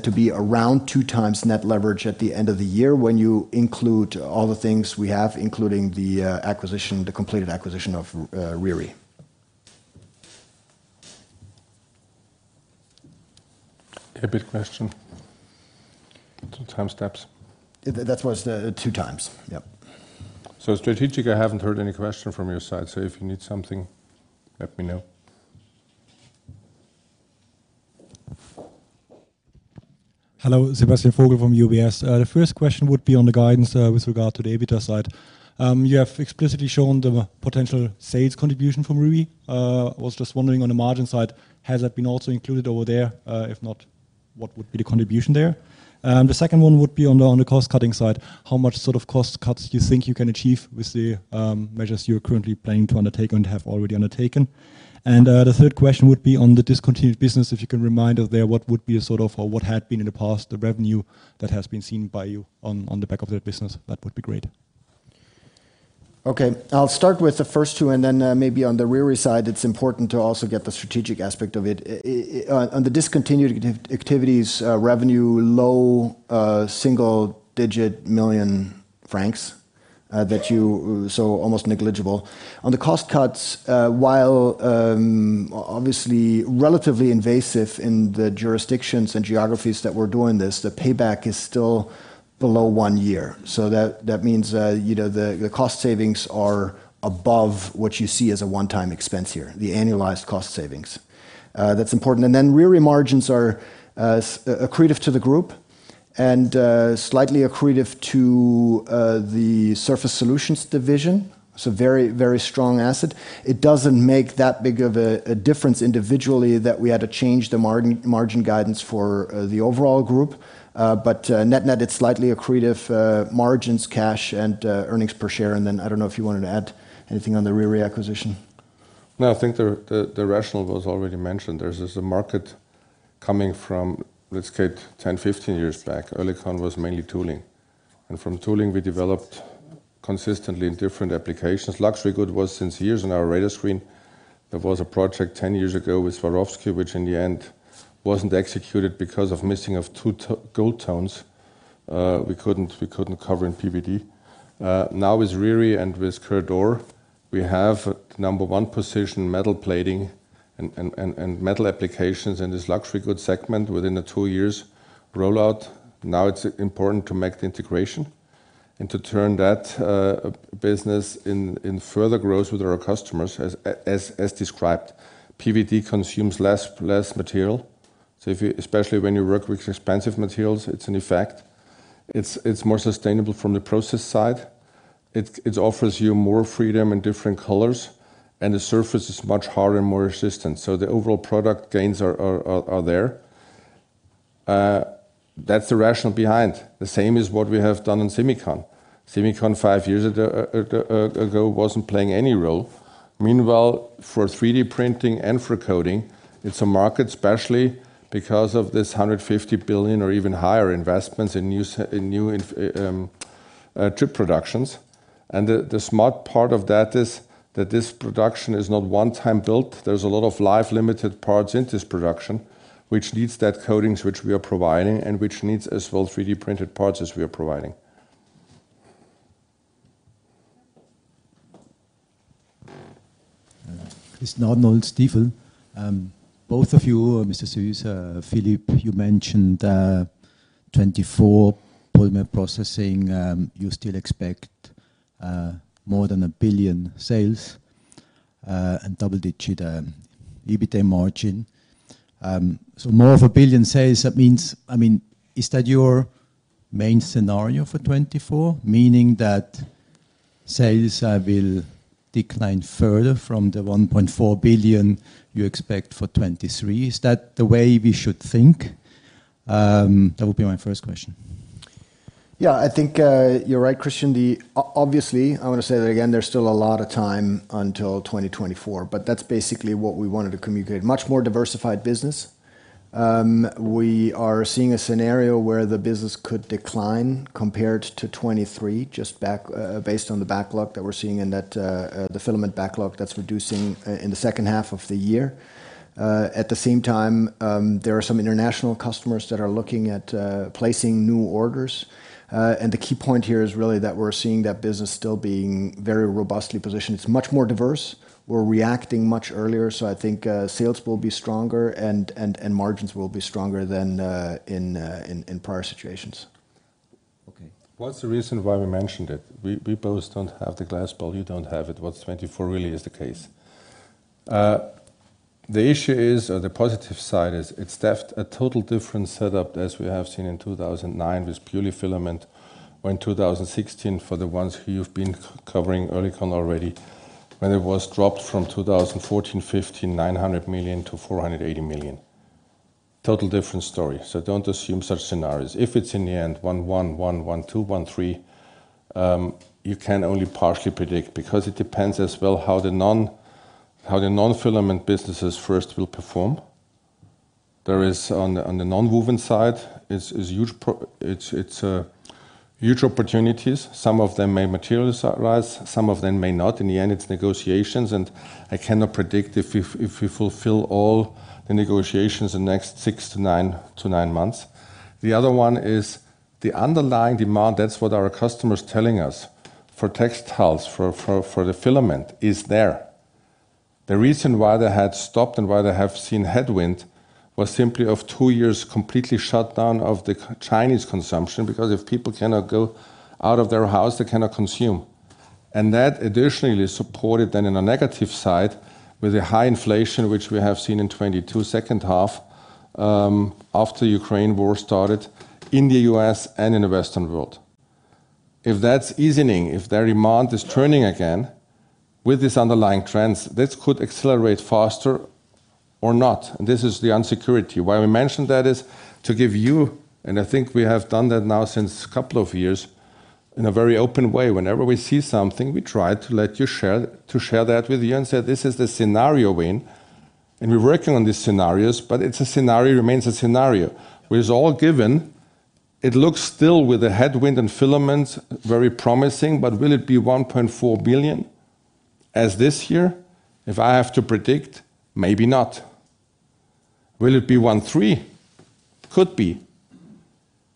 to be around 2x net leverage at the end of the year when you include all the things we have, including the acquisition, the completed acquisition of Riri. EBIT question. Some time stamps. That was 2x. Yep. Strategic, I haven't heard any question from your side. If you need something, let me know. Hello. Sebastian Vogel from UBS. The first question would be on the guidance, with regard to the EBITDA side. You have explicitly shown the potential sales contribution from Riri. I was just wondering on the margin side, has that been also included over there? If not, what would be the contribution there? The second one would be on the, on the cost-cutting side. How much sort of cost cuts do you think you can achieve with the measures you're currently planning to undertake and have already undertaken? The third question would be on the discontinued business. If you can remind us there what would be a sort of or what had been in the past the revenue that has been seen by you on the back of that business, that would be great. Okay. I'll start with the first two, and then, maybe on the Riri side, it's important to also get the strategic aspect of it. On the discontinued activities, revenue low, single-digit million CHF, that you. Almost negligible. On the cost cuts, while obviously relatively invasive in the jurisdictions and geographies that we're doing this, the payback is still below one year. That means, you know, the cost savings are above what you see as a one-time expense here, the annualized cost savings. That's important. Riri margins are accretive to the group and slightly accretive to the Surface Solutions division. Very strong asset. It doesn't make that big of a difference individually that we had to change the margin guidance for the overall group. Net-net, it's slightly accretive, margins, cash, and earnings per share. I don't know if you wanted to add anything on the Riri acquisition. No, I think the rationale was already mentioned. There's just a market coming from, let's say, 10, 15 years back. Oerlikon was mainly tooling. From tooling, we developed consistently in different applications. Luxury goods was since years on our radar screen. There was a project 10 years ago with Swarovski, which in the end wasn't executed because of missing of gold tones, we couldn't cover in PVD. Now with Riri and with Coeurdor, we have the number one position metal plating and metal applications in this luxury goods segment within the two years rollout. Now it's important to make the integration and to turn that business in further growth with our customers as described. PVD consumes less material. If you especially when you work with expensive materials, it's an effect. It's more sustainable from the process side. It offers you more freedom in different colors, and the surface is much harder and more resistant. The overall product gains are there. That's the rationale behind. The same is what we have done in Semicon. Semicon five years ago wasn't playing any role. Meanwhile, for 3D printing and for coating, it's a market especially because of this 150 billion or even higher investments in new chip productions. The smart part of that is that this production is not one-time built. There's a lot of life-limited parts in this production, which needs that coatings which we are providing and which needs as well 3D printed parts as we are providing. Christian Olesen Stifel. Both of you, Mr. Süss, Philipp, you mentioned 2024 polymer processing, you still expect more than 1 billion sales and double-digit % EBITA margin. More of 1 billion sales, that means, I mean, is that your main scenario for 2024? Meaning that sales will decline further from the 1.4 billion you expect for 2023. Is that the way we should think? That would be my first question. Yeah, I think, you're right, Christian. Obviously, I wanna say that again, there's still a lot of time until 2024, but that's basically what we wanted to communicate. Much more diversified business. We are seeing a scenario where the business could decline compared to 2023, just back, based on the backlog that we're seeing and that the filament backlog that's reducing in the second half of the year. At the same time, there are some international customers that are looking at placing new orders. The key point here is really that we're seeing that business still being very robustly positioned. It's much more diverse. We're reacting much earlier, so I think, sales will be stronger and margins will be stronger than in prior situations. Okay. What's the reason why we mentioned it? We both don't have the glass ball. You don't have it. What's 24 really is the case. The issue is, or the positive side is, it's deft a total different setup as we have seen in 2009 with purely filament, or in 2016 for the ones who you've been covering Oerlikon already, when it was dropped from 2014, 2015, 900 million-480 million. Total different story. Don't assume such scenarios. If it's in the end one one one one, two one three, you can only partially predict because it depends as well how the non-filament businesses first will perform. There is on the nonwoven side is huge opportunities. Some of them may materialize, some of them may not. In the end, it's negotiations, I cannot predict if we fulfill all the negotiations in the next six-nine months. The other one is the underlying demand, that's what our customers telling us, for textiles, for the filament is there. The reason why they had stopped and why they have seen headwind was simply of two years completely shut down of the Chinese consumption, because if people cannot go out of their house, they cannot consume. That additionally supported then in a negative side with the high inflation which we have seen in 2022 second half, after Ukraine War started in the U.S. and in the Western World. If that's easing, if their demand is turning again with this underlying trends, this could accelerate faster or not. This is the insecurity. Why we mentioned that is to give you, and I think we have done that now since couple of years, in a very open way. Whenever we see something, we try to let you share, to share that with you and say, "This is the scenario win." We're working on these scenarios, but it's a scenario, remains a scenario. With all given, it looks still with the headwind and filaments very promising, but will it be 1.4 billion as this year? If I have to predict, maybe not. Will it be 1.3? Could be.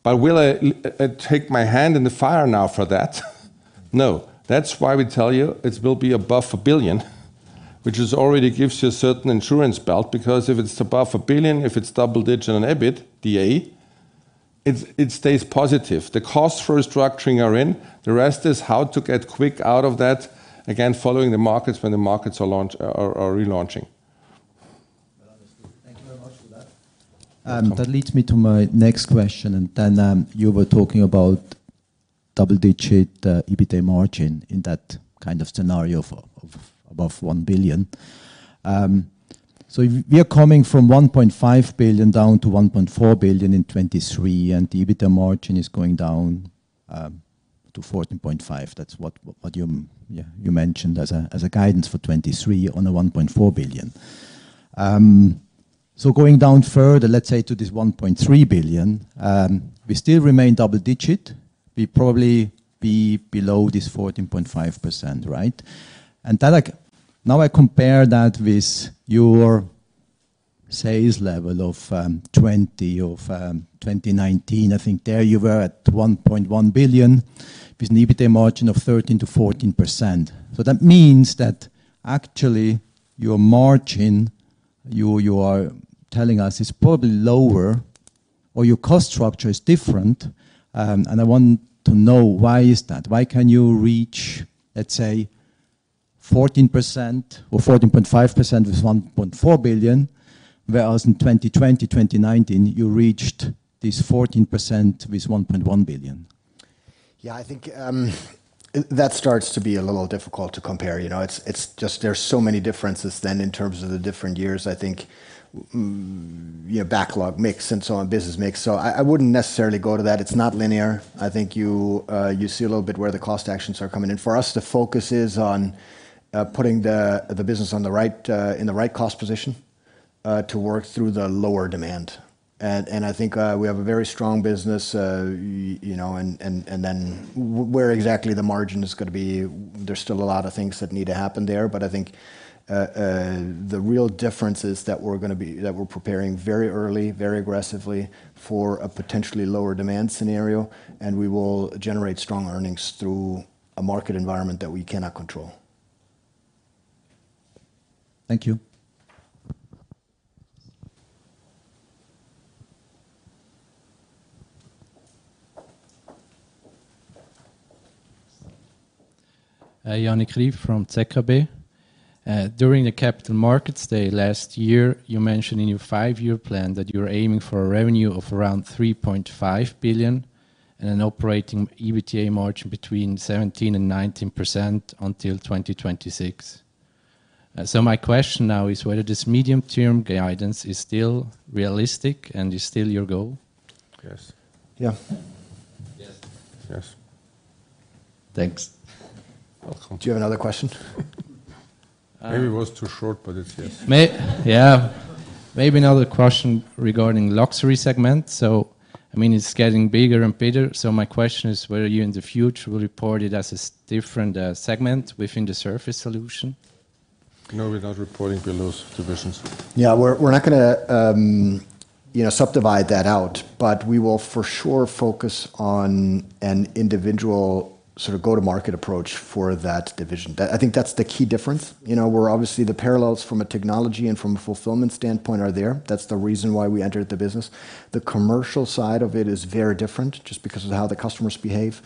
Will I take my hand in the fire now for that? No. That's why we tell you it will be above 1 billion, which is already gives you a certain insurance belt, because if it's above 1 billion, if it's double digit on EBITDA, it's, it stays positive. The costs for restructuring are in. The rest is how to get quick out of that, again, following the markets when the markets are relaunching. Well understood. Thank you very much for that. That leads me to my next question. You were talking about double-digit EBITA margin in that kind of scenario of above 1 billion. If we are coming from 1.5 billion down to 1.4 billion in 2023, and the EBITDA margin is going down to 14.5, that's what you, yeah, you mentioned as a guidance for 2023 on the 1.4 billion. Going down further, let's say to this 1.3 billion, we still remain double digit. We probably be below this 14.5%, right? That now I compare that with your sales level of 20 of 2019. I think there you were at 1.1 billion with an EBITDA margin of 13%-14%. That means that actually your margin, you are telling us, is probably lower or your cost structure is different. I want to know why is that? Why can you reach, let's say, 14% or 14.5% with 1.4 billion, whereas in 2020, 2019, you reached this 14% with 1.1 billion? I think that starts to be a little difficult to compare, you know. It's just there are so many differences then in terms of the different years. I think, you know, backlog mix and so on, business mix. I wouldn't necessarily go to that. It's not linear. I think you see a little bit where the cost actions are coming in. For us, the focus is on putting the business on the right in the right cost position to work through the lower demand. I think we have a very strong business, you know, and then where exactly the margin is gonna be, there's still a lot of things that need to happen there. I think, the real difference is that we're preparing very early, very aggressively for a potentially lower demand scenario, and we will generate strong earnings through a market environment that we cannot control. Thank you. Yannick Ryf from ZKB. During the Capital Markets Day last year, you mentioned in your five-year plan that you're aiming for a revenue of around 3.5 billion and an operating EBITDA margin between 17% and 19% until 2026. My question now is whether this medium-term guidance is still realistic and is still your goal? Yes. Yeah. Yes. Yes. Thanks. Welcome. Do you have another question? I- Maybe it was too short, but it's yes. Yeah. Maybe another question regarding luxury segment. I mean, it's getting bigger and bigger, my question is: will you in the future report it as a different segment within the Surface Solutions? No, we're not reporting below divisions. Yeah. We're not gonna, you know, subdivide that out, but we will for sure focus on an individual sort of go-to-market approach for that division. I think that's the key difference. You know, we're obviously the parallels from a technology and from a fulfillment standpoint are there. That's the reason why we entered the business. The commercial side of it is very different just because of how the customers behave.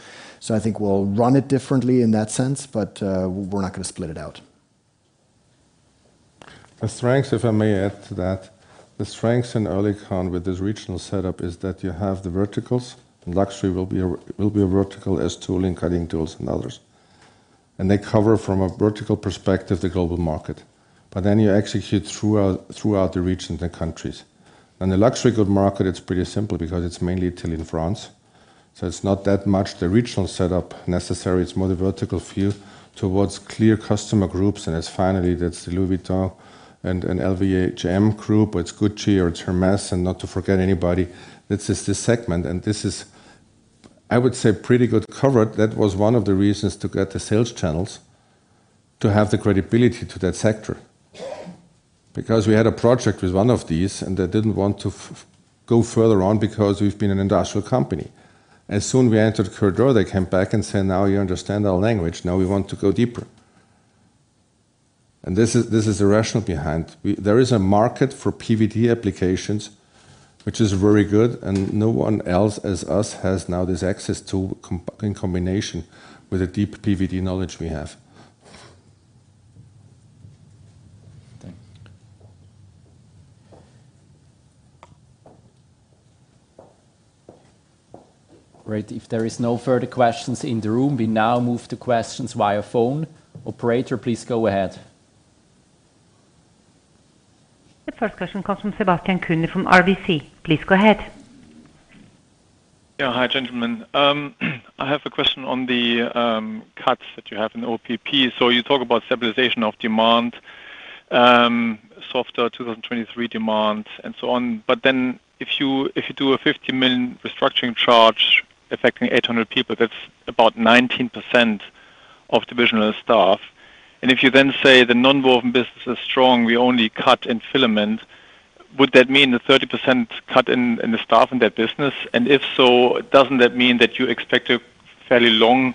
I think we'll run it differently in that sense, but we're not gonna split it out. The strengths, if I may add to that, the strengths in Oerlikon with this regional setup is that you have the verticals. Luxury will be a, will be a vertical as tooling, cutting tools, and others. They cover from a vertical perspective the global market. But then you execute throughout the region, the countries. In the luxury good market, it's pretty simple because it's mainly Italy and France, so it's not that much the regional setup necessary. It's more the vertical view towards clear customer groups, and it's finally that's the Louis Vuitton and LVMH group or it's Gucci or it's Hermès and not to forget anybody. This is the segment, and this is, I would say, pretty good covered. That was one of the reasons to get the sales channels to have the credibility to that sector. We had a project with one of these, and they didn't want to go further on because we've been an industrial company. As soon we entered Coeurdor, they came back and said, "Now you understand our language. Now we want to go deeper." This is the rationale behind. There is a market for PVD applications which is very good and no one else as us has now this access to in combination with the deep PVD knowledge we have. Thank you. Great. If there is no further questions in the room, we now move to questions via phone. Operator, please go ahead. The first question comes from Sebastian Kuenne from RBC. Please go ahead. Yeah. Hi, gentlemen. I have a question on the cuts that you have in OPP. You talk about stabilization of demand, softer 2023 demand, and so on. If you do a 50 million restructuring charge affecting 800 people, that's about 19% of divisional staff. If you then say the nonwoven business is strong, we only cut in filament, would that mean a 30% cut in the staff in that business? If so, doesn't that mean that you expect a fairly long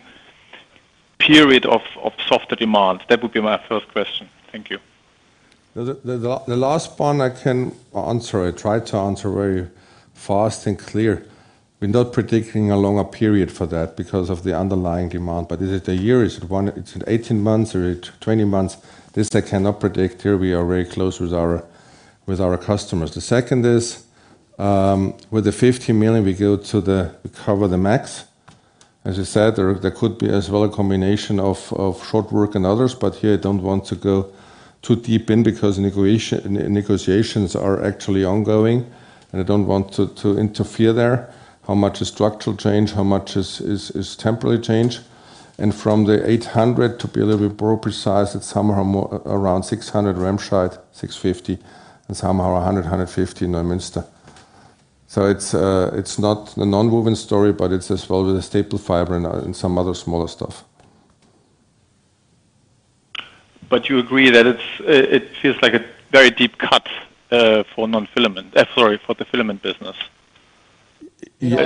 period of softer demand? That would be my first question. Thank you. The last one I can answer or try to answer very fast and clear. We're not predicting a longer period for that because of the underlying demand. Is it a year? Is it 18 months or 20 months? This I cannot predict. Here we are very close with our customers. The second is, with the 50 million we go to the cover the max. As I said, there could be as well a combination of short work and others, but here I don't want to go too deep in because negotiations are actually ongoing, and I don't want to interfere there. How much is structural change? How much is temporary change? From the 800, to be a little bit more precise, it's somehow more around 600 Remscheid, 650, and somehow 100, 150 Neumünster. It's, it's not a nonwoven story, but it's as well with a staple fiber and some other smaller stuff. You agree that it's, it feels like a very deep cut, for non-filament. Sorry, for the filament business. Yeah.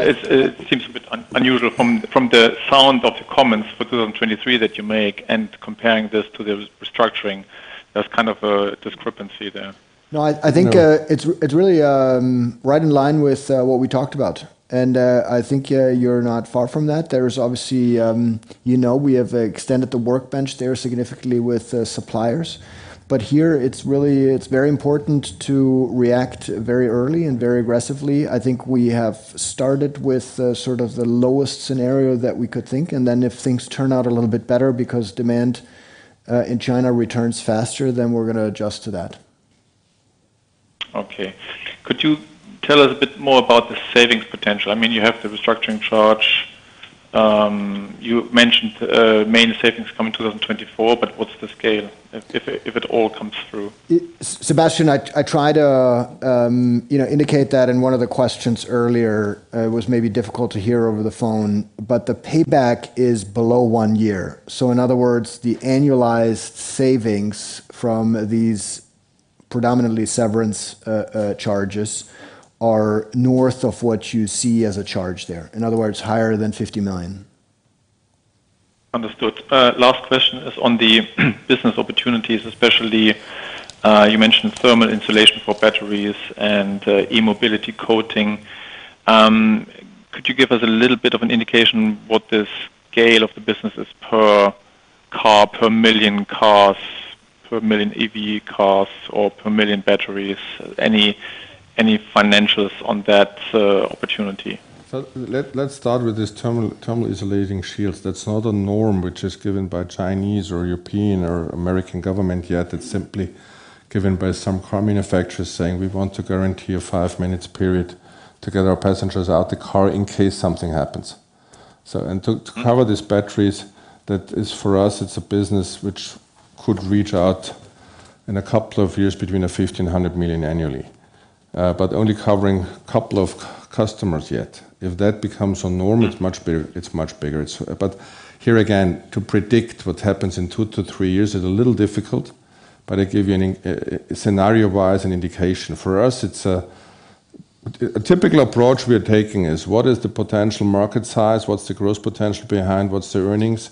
It seems a bit unusual from the sound of the comments for 2023 that you make, comparing this to the restructuring, there's kind of a discrepancy there. No, I. No it's really right in line with what we talked about. I think you're not far from that. There is obviously, you know, we have extended the workbench there significantly with suppliers. Here, it's very important to react very early and very aggressively. I think we have started with sort of the lowest scenario that we could think, and then if things turn out a little bit better because demand in China returns faster, then we're gonna adjust to that. Okay. Could you tell us a bit more about the savings potential? I mean, you have the restructuring charge. You mentioned, main savings come in 2024, but what's the scale if it all comes through? Sebastian, I tried to, you know, indicate that in one of the questions earlier. It was maybe difficult to hear over the phone, but the payback is below one year. In other words, the annualized savings from these predominantly severance charges are north of what you see as a charge there. In other words, higher than 50 million. Understood. Last question is on the business opportunities, especially, you mentioned thermal insulation for batteries and e-mobility coating. Could you give us a little bit of an indication what the scale of the business is per car, per million cars, per million EV cars or per million batteries? Any financials on that opportunity? Let's start with this thermal insulating shields. That's not a norm which is given by Chinese or European or American government yet. It's simply given by some car manufacturers saying, "We want to guarantee a 5 minutes period to get our passengers out the car in case something happens." and to cover these batteries, that is, for us, it's a business which could reach out in a couple of years between 1,500 million annually. only covering couple of customers yet. If that becomes a norm, it's much bigger. here again, to predict what happens in two-three years is a little difficult, but I give you an scenario-wise an indication. For us, a typical approach we are taking is, what is the potential market size? What's the growth potential behind? What's the earnings?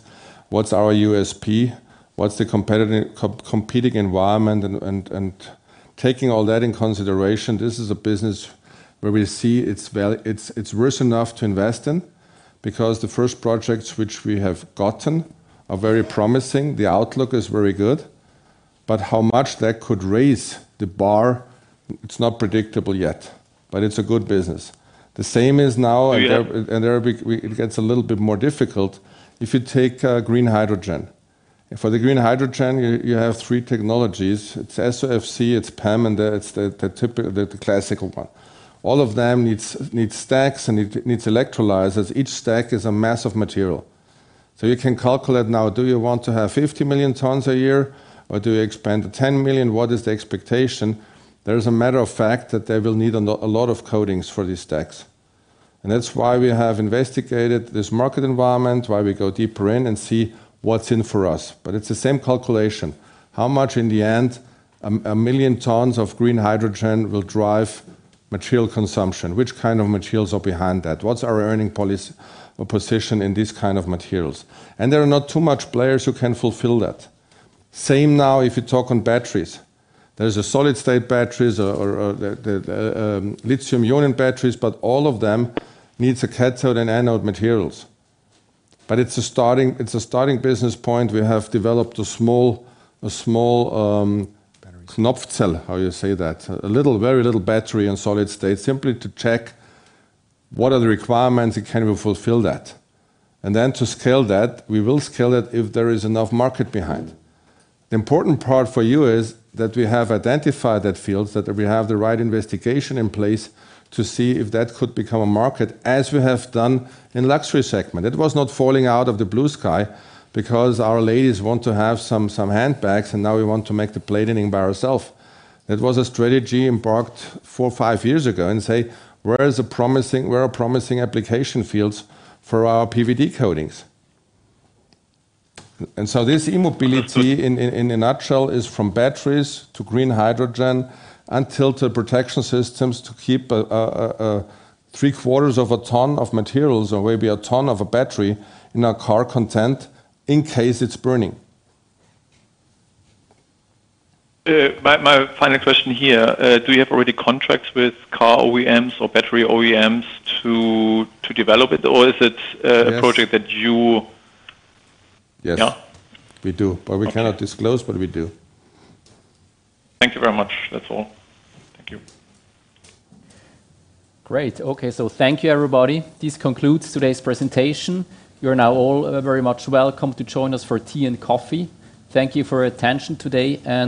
What's our USP? What's the competitive environment? Taking all that in consideration, this is a business where we see it's worth enough to invest in because the first projects which we have gotten are very promising. The outlook is very good. How much that could raise the bar, it's not predictable yet, but it's a good business. The same is now- Okay... in Arabic it gets a little bit more difficult if you take green hydrogen. For the green hydrogen, you have three technologies. It's SOFC, it's PEM. It's the classical one. All of them needs stacks, and it needs electrolyzers. Each stack is a massive material. You can calculate now, do you want to have 50 million tons a year or do you expand to 10 million? What is the expectation? There is a matter of fact that they will need a lot of coatings for these stacks. That's why we have investigated this market environment, why we go deeper in and see what's in for us. It's the same calculation. How much in the end a 1 million tons of green hydrogen will drive material consumption? Which kind of materials are behind that? What's our earning position in these kind of materials? There are not too much players who can fulfill that. Same now if you talk on batteries. There's a solid-state batteries or the lithium-ion batteries, all of them needs a cathode and anode materials. It's a starting business point. We have developed a small Knopfzelle, how you say that? A little, very little battery in solid-state simply to check what are the requirements and can we fulfill that. To scale that, we will scale it if there is enough market behind. The important part for you is that we have identified that fields, that we have the right investigation in place to see if that could become a market as we have done in luxury segment. It was not falling out of the blue sky because our ladies want to have some handbags, and now we want to make the plating by ourself. It was a strategy embarked four, five years ago and say, "Where are promising application fields for our PVD coatings?" This e-mobility in a nutshell is from batteries to green hydrogen and tilt protection systems to keep three-quarters of a ton of materials or maybe 1 ton of a battery in a car content in case it's burning. My final question here. Do you have already contracts with car OEMs or battery OEMs to develop it? Or is it? Yes... a project that. Yes. Yeah. We do. Okay. We cannot disclose, but we do. Thank you very much. That's all. Thank you. Great. Okay. Thank you, everybody. This concludes today's presentation. You're now all very much welcome to join us for tea and coffee. Thank you for your attention today, and